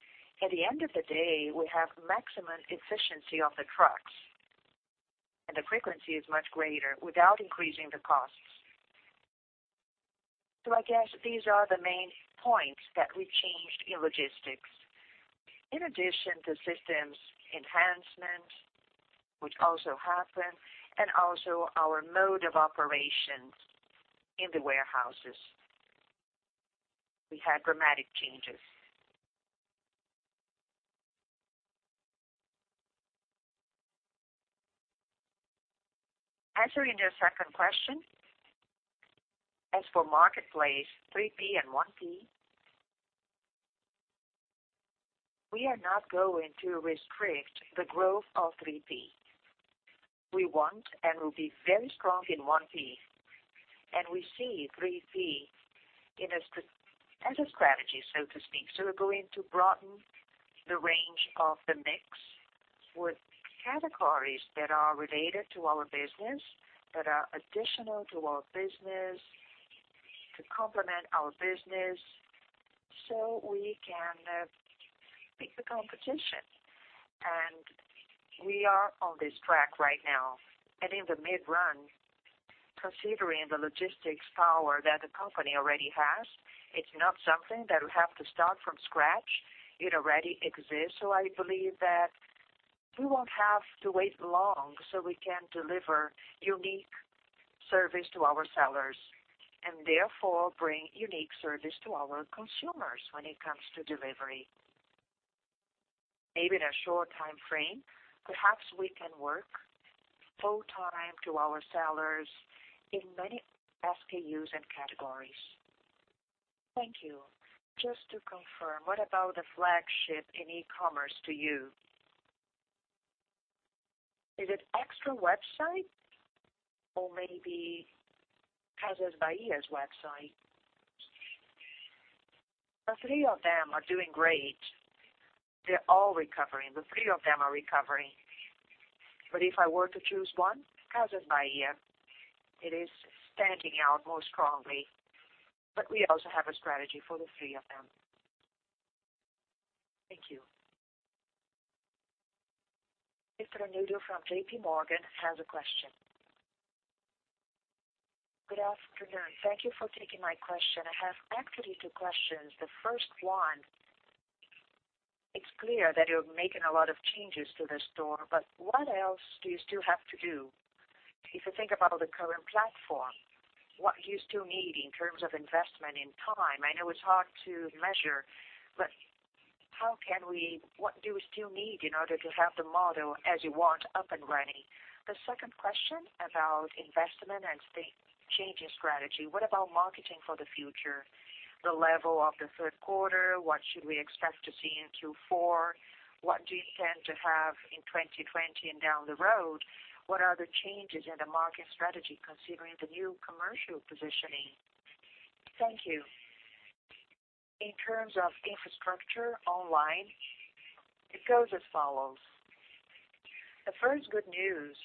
At the end of the day, we have maximum efficiency of the trucks, and the frequency is much greater without increasing the costs. I guess these are the main points that we changed in logistics. In addition to systems enhancement, which also happened, and also our mode of operations in the warehouses, we had dramatic changes. Answering your second question, as for Marketplace, 3P and 1P, we are not going to restrict the growth of 3P. We want and will be very strong in 1P, and we see 3P as a strategy, so to speak. We're going to broaden the range of the mix with categories that are related to our business, that are additional to our business, to complement our business, so we can beat the competition. We are on this track right now. In the mid-run, considering the logistics power that the company already has, it's not something that we have to start from scratch. It already exists. I believe that we won't have to wait long so we can deliver unique service to our sellers, and therefore bring unique service to our consumers when it comes to delivery. Maybe in a short time frame, perhaps we can work full time to our sellers in many SKUs and categories. Thank you. Just to confirm, what about the flagship in e-commerce to you? Is it Extra website or maybe Casas Bahia's website? The three of them are doing great. They're all recovering. The three of them are recovering. If I were to choose one, Casas Bahia, it is standing out more strongly. We also have a strategy for the three of them. Thank you. Sandra Nudo from JPMorgan has a question. Good afternoon. Thank you for taking my question. I have actually two questions. The first one, it's clear that you're making a lot of changes to the store, what else do you still have to do? If you think about the current platform, what do you still need in terms of investment in time? I know it's hard to measure, what do you still need in order to have the model as you want up and running? The second question about investment and state changing strategy. What about marketing for the future? The level of the third quarter, what should we expect to see in Q4? What do you intend to have in 2020 and down the road? What are the changes in the market strategy considering the new commercial positioning? Thank you. In terms of infrastructure online, it goes as follows. The first good news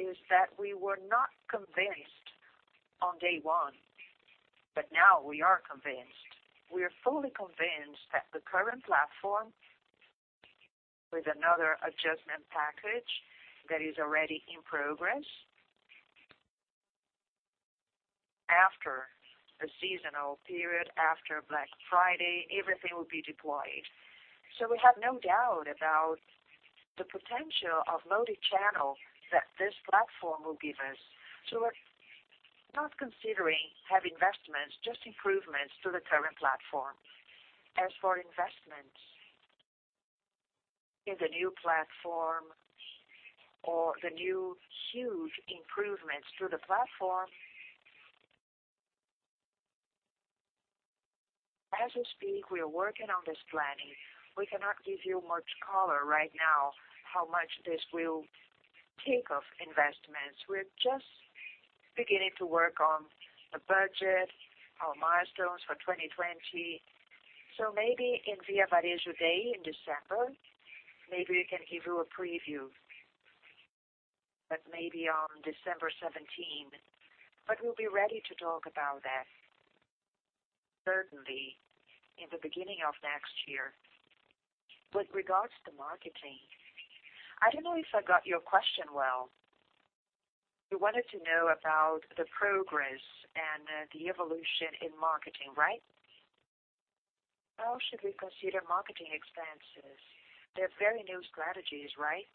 is that we were not convinced on day one, but now we are convinced. We are fully convinced that the current platform, with another adjustment package that is already in progress, after the seasonal period, after Black Friday, everything will be deployed. We have no doubt about the potential of multi-channel that this platform will give us. We're not considering heavy investments, just improvements to the current platform. As for investments in the new platform or the new huge improvements to the platform, as we speak, we are working on this planning. We cannot give you much color right now, how much this will take of investments. We're just beginning to work on the budget, our milestones for 2020. Maybe in Via Varejo Day in December, maybe we can give you a preview. Maybe on December 17. We'll be ready to talk about that certainly in the beginning of next year. With regards to marketing, I don't know if I got your question well. You wanted to know about the progress and the evolution in marketing, right? How should we consider marketing expenses? They're very new strategies, right?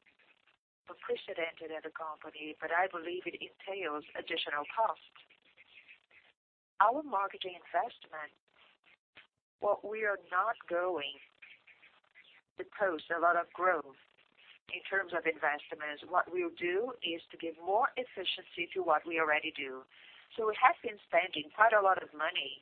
Unprecedented at a company, but I believe it entails additional cost. Our marketing investment, what we are not going to post a lot of growth in terms of investments. What we'll do is to give more efficiency to what we already do. We have been spending quite a lot of money.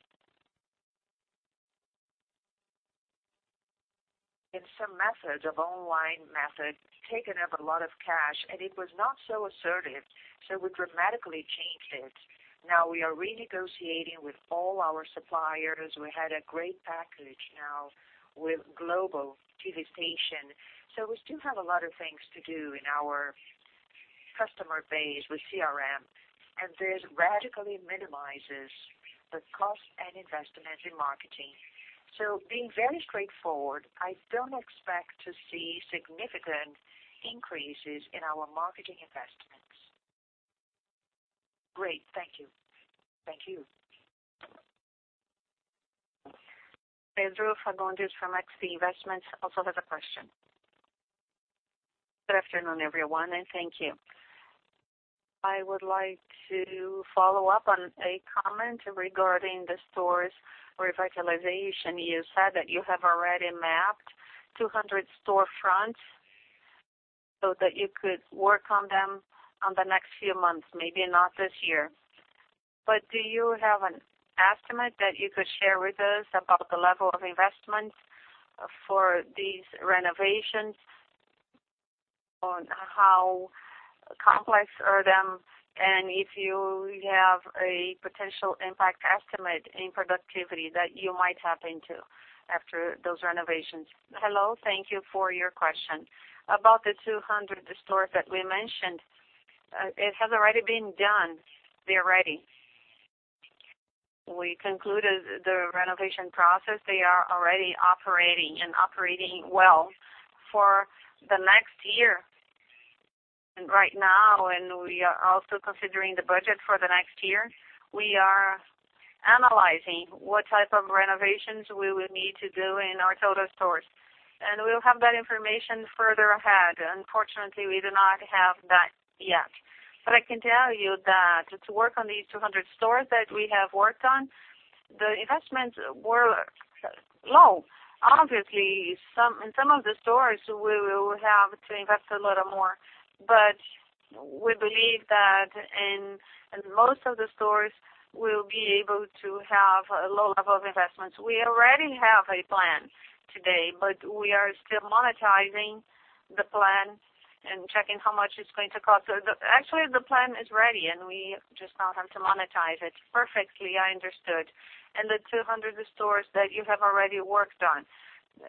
In some methods of online method, taken up a lot of cash, and it was not so assertive, so we dramatically changed it. Now we are renegotiating with all our suppliers. We had a great package now with global digitization. We still have a lot of things to do in our customer base with CRM, and this radically minimizes the cost and investment in marketing. Being very straightforward, I don't expect to see significant increases in our marketing investments. Great. Thank you. Thank you. Pedro Fagundes from XP Investimentos also has a question. Good afternoon, everyone, and thank you. I would like to follow up on a comment regarding the store's revitalization. You said that you have already mapped 200 storefronts so that you could work on them on the next few months, maybe not this year. Do you have an estimate that you could share with us about the level of investments for these renovations? On how complex are them, and if you have a potential impact estimate in productivity that you might tap into after those renovations? Hello, thank you for your question. About the 200 stores that we mentioned, it has already been done. They're ready. We concluded the renovation process. They are already operating and operating well for the next year. Right now, we are also considering the budget for the next year, we are analyzing what type of renovations we will need to do in our total stores. We'll have that information further ahead. Unfortunately, we do not have that yet. I can tell you that to work on these 200 stores that we have worked on, the investments were low. Obviously, in some of the stores, we will have to invest a little more. We believe that in most of the stores, we'll be able to have a low level of investments. We already have a plan today. We are still monetizing the plan and checking how much it's going to cost. Actually, the plan is ready. We just now have to monetize it. Perfectly, I understood. The 200 stores that you have already worked on,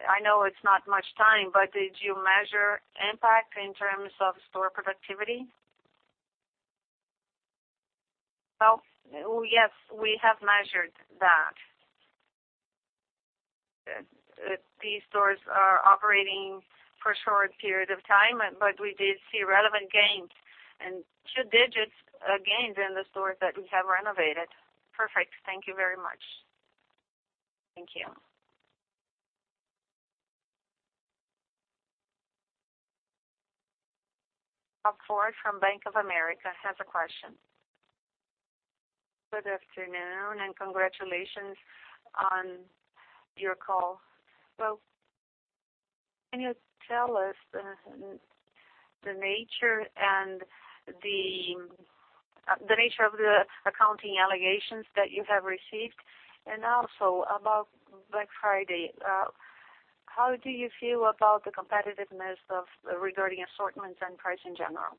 I know it's not much time, but did you measure impact in terms of store productivity? Well, yes, we have measured that. These stores are operating for short periods of time, but we did see relevant gains and two-digit gains in the stores that we have renovated. Perfect. Thank you very much. Thank you. Bob Ford from Bank of America has a question. Good afternoon, congratulations on your call. Can you tell us the nature of the accounting allegations that you have received? Also about Black Friday, how do you feel about the competitiveness regarding assortments and price in general?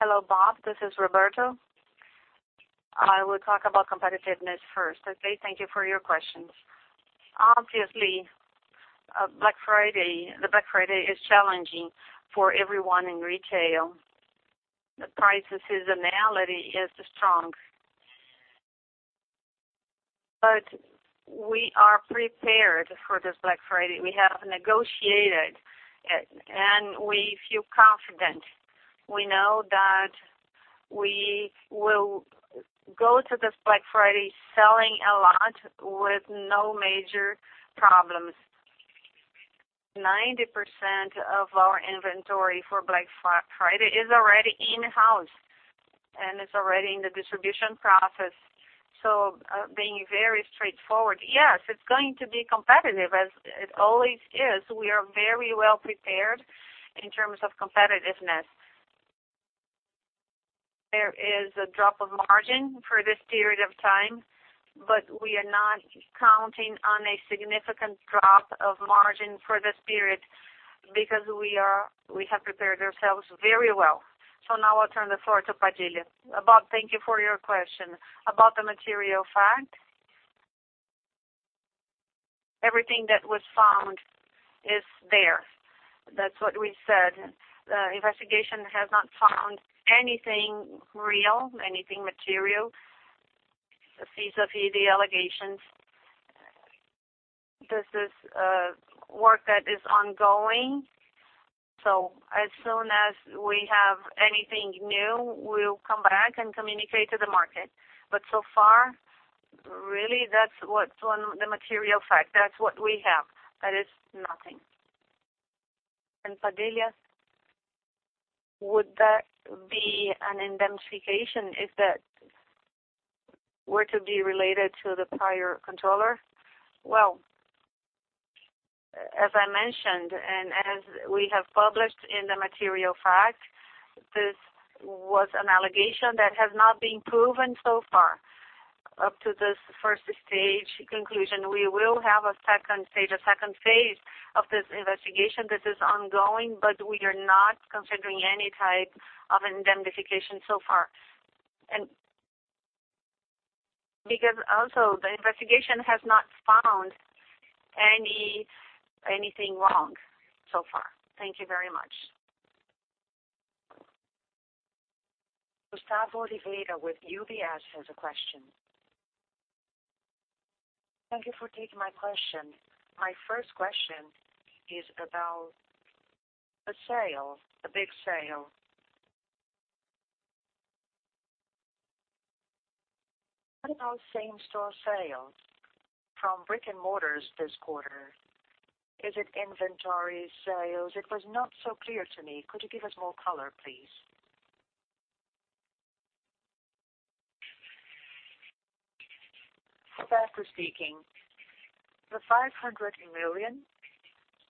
Hello, Bob. This is Roberto. I will talk about competitiveness first. Okay, thank you for your questions. Obviously, Black Friday is challenging for everyone in retail. The price seasonality is strong. We are prepared for this Black Friday. We have negotiated it, and we feel confident. We know that we will go to this Black Friday selling a lot with no major problems. 90% of our inventory for Black Friday is already in-house, and it's already in the distribution process. Being very straightforward, yes, it's going to be competitive as it always is. We are very well prepared in terms of competitiveness. There is a drop of margin for this period of time, but we are not counting on a significant drop of margin for this period because we have prepared ourselves very well. Now I'll turn the floor to Padilha. Bob, thank you for your question. About the material fact, everything that was found is there. That's what we said. The investigation has not found anything real, anything material, vis-à-vis the allegations. This is work that is ongoing, so as soon as we have anything new, we'll come back and communicate to the market. So far, really, that's what's on the material fact. That's what we have. That is nothing. Padilha, would that be an indemnification if that were to be related to the prior controller? Well, as I mentioned, as we have published in the material facts, this was an allegation that has not been proven so far up to this stage 1 conclusion. We will have a stage 2 of this investigation. This is ongoing, but we are not considering any type of indemnification so far. Because also the investigation has not found anything wrong so far. Thank you very much. Gustavo Oliveira with UBS has a question. Thank you for taking my question. My first question is about a sale, a big sale. What about same-store sales from brick-and-mortars this quarter? Is it inventory sales? It was not so clear to me. Could you give us more color, please? Fairly speaking, the 500 million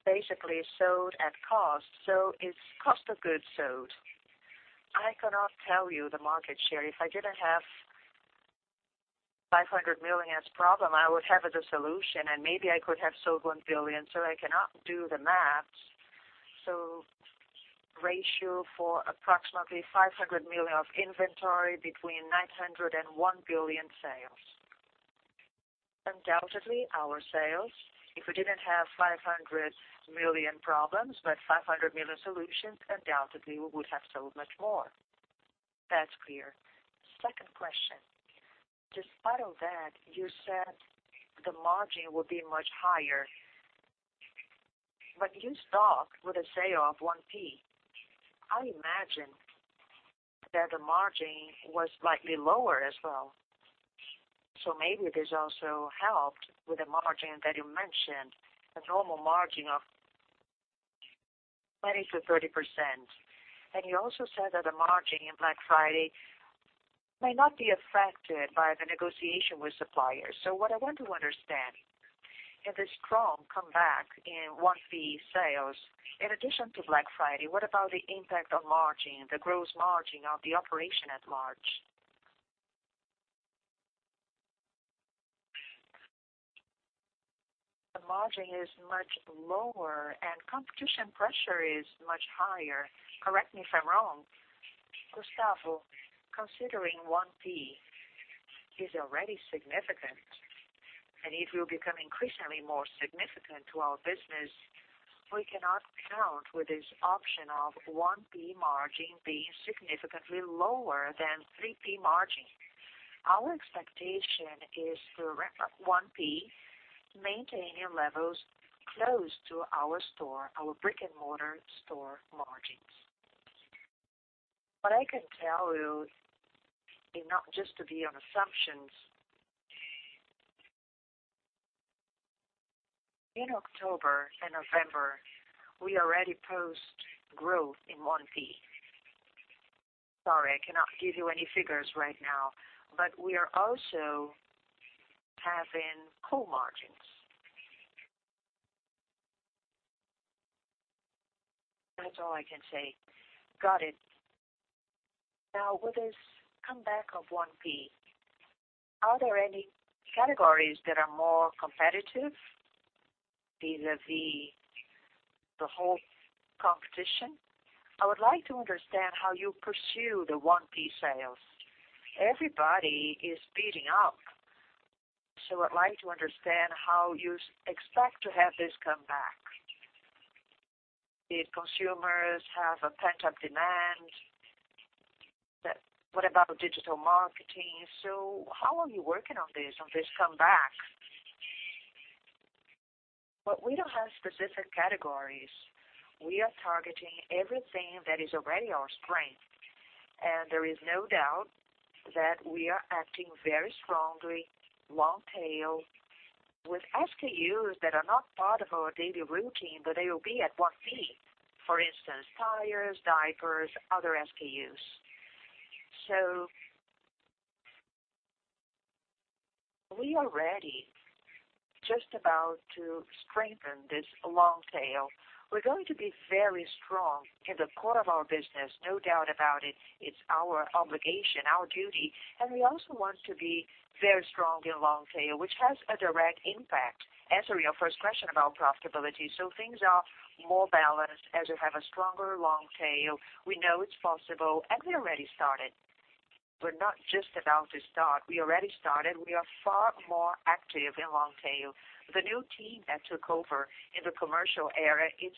basically sold at cost, so it's cost of goods sold. I cannot tell you the market share. If I didn't have 500 million as problem, I would have the solution, and maybe I could have sold 1 billion, so I cannot do the math. Ratio for approximately 500 million of inventory between 900 million and 1 billion sales. Undoubtedly, our sales, if we didn't have 500 million problems, but 500 million solutions, undoubtedly, we would have sold much more. That's clear. Second question. Despite all that, you said the margin would be much higher. But, you stock with a sale of 1P. I imagine that the margin was slightly lower as well. Maybe this also helped with the margin that you mentioned, a normal margin of 20%-30%. You also said that the margin in Black Friday may not be affected by the negotiation with suppliers. What I want to understand, in this strong comeback in 1P sales, in addition to Black Friday, what about the impact on margin, the gross margin of the operation at large? The margin is much lower, and competition pressure is much higher. Correct me if I'm wrong. Gustavo, considering 1P is already significant, and it will become increasingly more significant to our business, we cannot count with this option of 1P margin being significantly lower than 3P margin. Our expectation is for 1P maintaining levels close to our store, our brick-and-mortar store margins. What I can tell you, and not just to be on assumptions, in October and November, we already post growth in 1P. Sorry, I cannot give you any figures right now, but we are also having core margins. That's all I can say. Got it. Now, with this comeback of 1P, are there any categories that are more competitive vis-a-vis the whole competition? I would like to understand how you pursue the 1P sales. Everybody is speeding up, so I'd like to understand how you expect to have this comeback. Did consumers have a pent-up demand? What about digital marketing? How are you working on this, on this comeback? Well, we don't have specific categories. We are targeting everything that is already our strength. There is no doubt that we are acting very strongly long-tail with SKUs that are not part of our daily routine, but they will be at 1P. For instance, tires, diapers, other SKUs. We are ready just about to strengthen this long tail. We're going to be very strong in the core of our business. No doubt about it. It's our obligation, our duty, and we also want to be very strong in long tail, which has a direct impact, answering your first question about profitability. Things are more balanced as we have a stronger long tail. We know it's possible, and we already started. We're not just about to start. We already started. We are far more active in long tail. The new team that took over in the commercial area is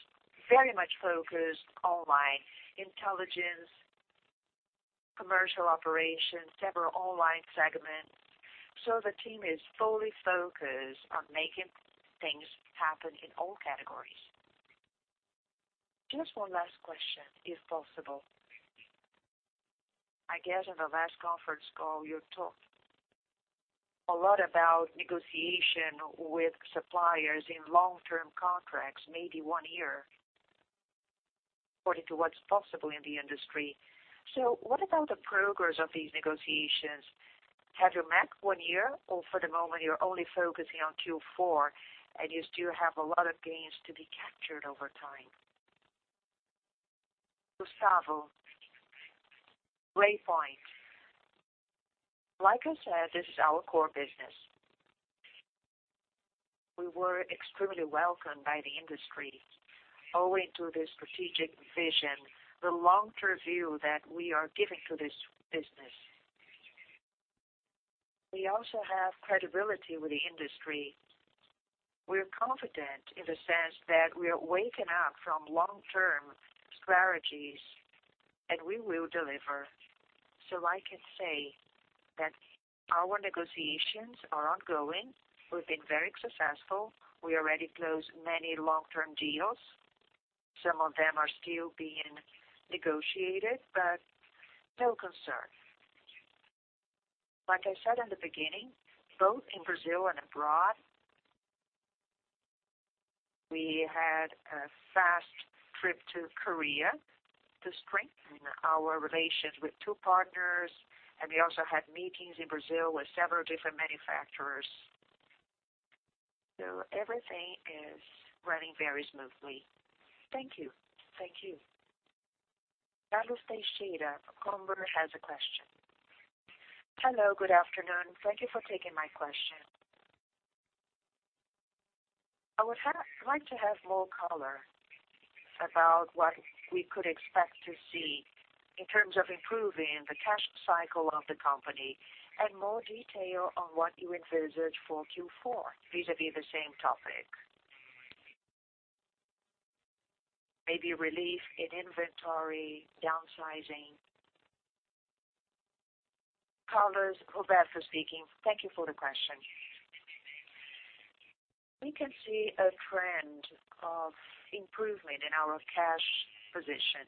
very much focused online. Intelligence, commercial operations, several online segments. The team is fully focused on making things happen in all categories. Just one last question, if possible. I guess in the last conference call, you talked a lot about negotiation with suppliers in long-term contracts, maybe one year, according to what's possible in the industry. What about the progress of these negotiations? Have you met one year, or for the moment, you're only focusing on Q4, and you still have a lot of gains to be captured over time? Gustavo, great point. Like I said, this is our core business. We were extremely welcomed by the industry owing to this strategic vision, the long-term view that we are giving to this business. We also have credibility with the industry. We're confident in the sense that we are waking up from long-term strategies, and we will deliver. I can say that our negotiations are ongoing. We've been very successful. We already closed many long-term deals. Some of them are still being negotiated, no concern. Like I said in the beginning, both in Brazil and abroad, we had a fast trip to Korea to strengthen our relations with two partners, and we also had meetings in Brazil with several different manufacturers. Everything is running very smoothly. Thank you. Thank you. [Carlos Teixeira Comver], has a question. Hello, good afternoon. Thank you for taking my question. I would like to have more color about what we could expect to see in terms of improving the cash cycle of the company, and more detail on what you envisage for Q4 vis-a-vis the same topic? Maybe relief in inventory downsizing. [Carlos], Roberto speaking. Thank you for the question. We can see a trend of improvement in our cash position.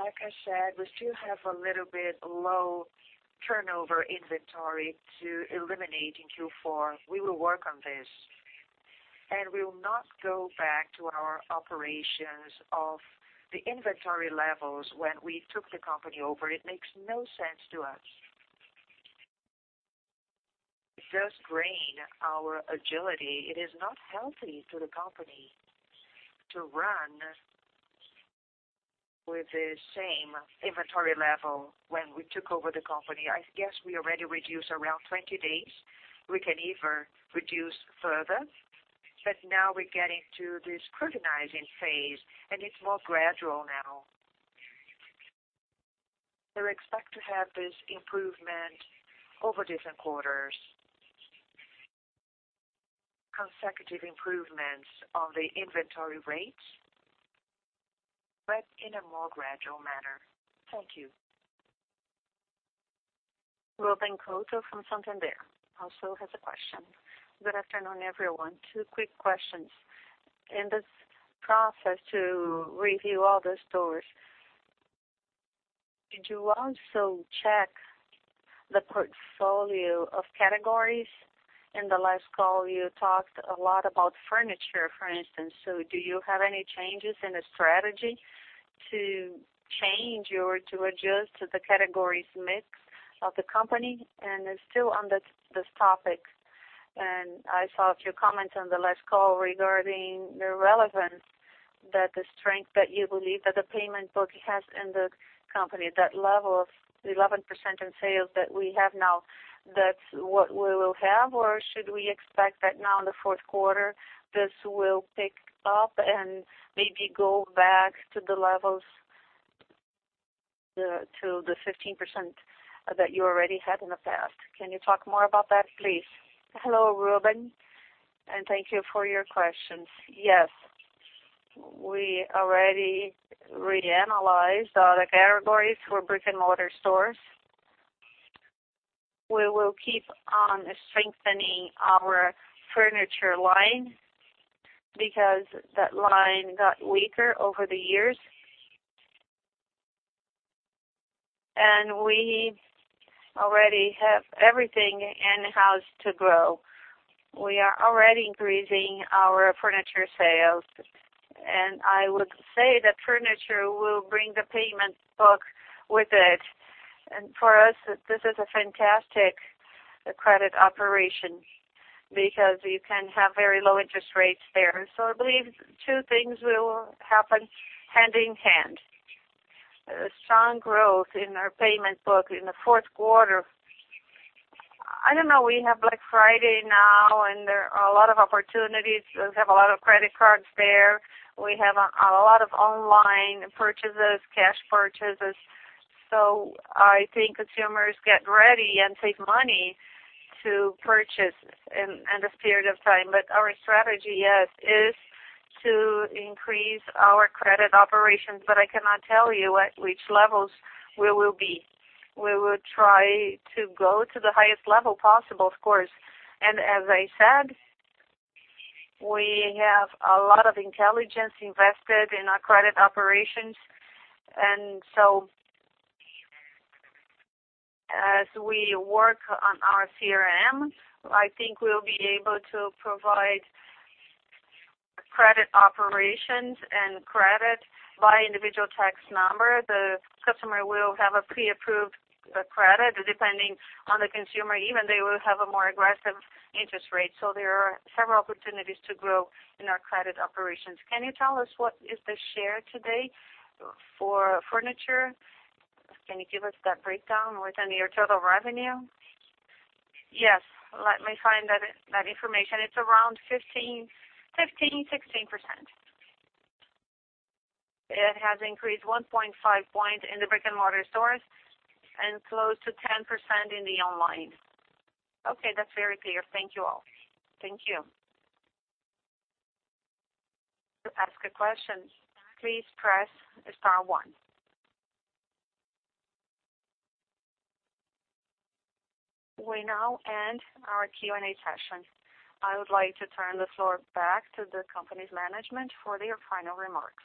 Like I said, we still have a little bit low turnover inventory to eliminate in Q4. We will work on this. We will not go back to our operations of the inventory levels when we took the company over. It makes no sense to us. It does drain our agility. It is not healthy to the company to run with the same inventory level when we took over the company. I guess we already reduced around 20 days. We can either reduce further, but now we're getting to this scrutinizing phase, and it's more gradual now. We expect to have this improvement over different quarters. Consecutive improvements on the inventory rates, but in a more gradual manner. Thank you. Ruben Couto from Santander also has a question. Good afternoon, everyone. Two quick questions. In this process to review all the stores, did you also check the portfolio of categories? In the last call, you talked a lot about furniture, for instance. Do you have any changes in the strategy to change or to adjust to the categories mix of the company? Still on this topic, I saw a few comments on the last call regarding the relevance that the strength that you believe that the payment book has in the company, that level of 11% in sales that we have now, that's what we will have, or should we expect that now in the fourth quarter, this will pick up and maybe go back to the levels, to the 15% that you already had in the past? Can you talk more about that, please? Hello, Ruben, thank you for your questions. Yes. We already reanalyzed all the categories for brick-and-mortar stores. We will keep on strengthening our furniture line because that line got weaker over the years. We already have everything in-house to grow. We are already increasing our furniture sales, and I would say that furniture will bring the payment book with it. For us, this is a fantastic credit operation because you can have very low interest rates there. I believe two things will happen hand in hand. Strong growth in our payment book in the fourth quarter. I don't know, we have Black Friday now, and there are a lot of opportunities. We have a lot of credit cards there. We have a lot of online purchases, cash purchases. I think consumers get ready and save money to purchase in the period of time. Our strategy, yes, is to increase our credit operations, but I cannot tell you at which levels we will be. We will try to go to the highest level possible, of course. As I said, we have a lot of intelligence invested in our credit operations. As we work on our CRM, I think we'll be able to provide credit operations and credit by individual tax number. The customer will have a pre-approved credit, depending on the consumer, even they will have a more aggressive interest rate. There are several opportunities to grow in our credit operations. Can you tell us what is the share today for furniture? Can you give us that breakdown within your total revenue? Yes. Let me find that information. It's around 15%-16%. It has increased 1.5 point in the brick-and-mortar stores and close to 10% in the online. Okay. That's very clear. Thank you all. Thank you. To ask a question, please press star one. We now end our Q&A session. I would like to turn the floor back to the company's management for their final remarks.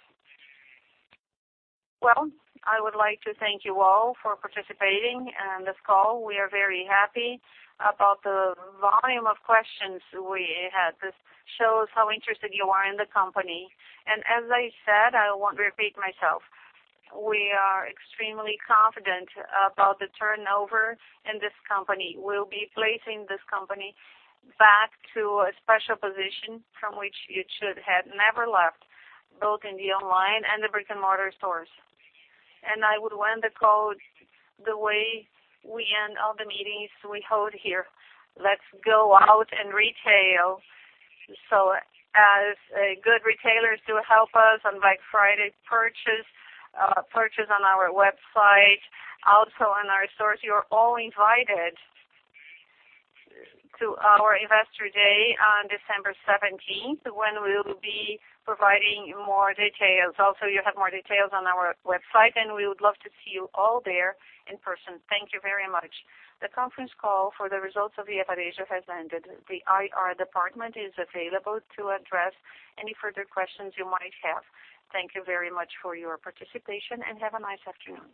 I would like to thank you all for participating in this call. We are very happy about the volume of questions we had. This shows how interested you are in the company. As I said, I won't repeat myself. We are extremely confident about the turnover in this company. We'll be placing this company back to a special position from which it should have never left, both in the online and the brick-and-mortar stores. I would want to quote the way we end all the meetings we hold here. Let's go out and retail. As good retailers do help us on Black Friday purchase on our website, also in our stores. You're all invited to our Investor Day on December 17th, when we will be providing more details. You have more details on our website, and we would love to see you all there in person. Thank you very much. The conference call for the results of Via Varejo has ended. The IR department is available to address any further questions you might have. Thank you very much for your participation, and have a nice afternoon.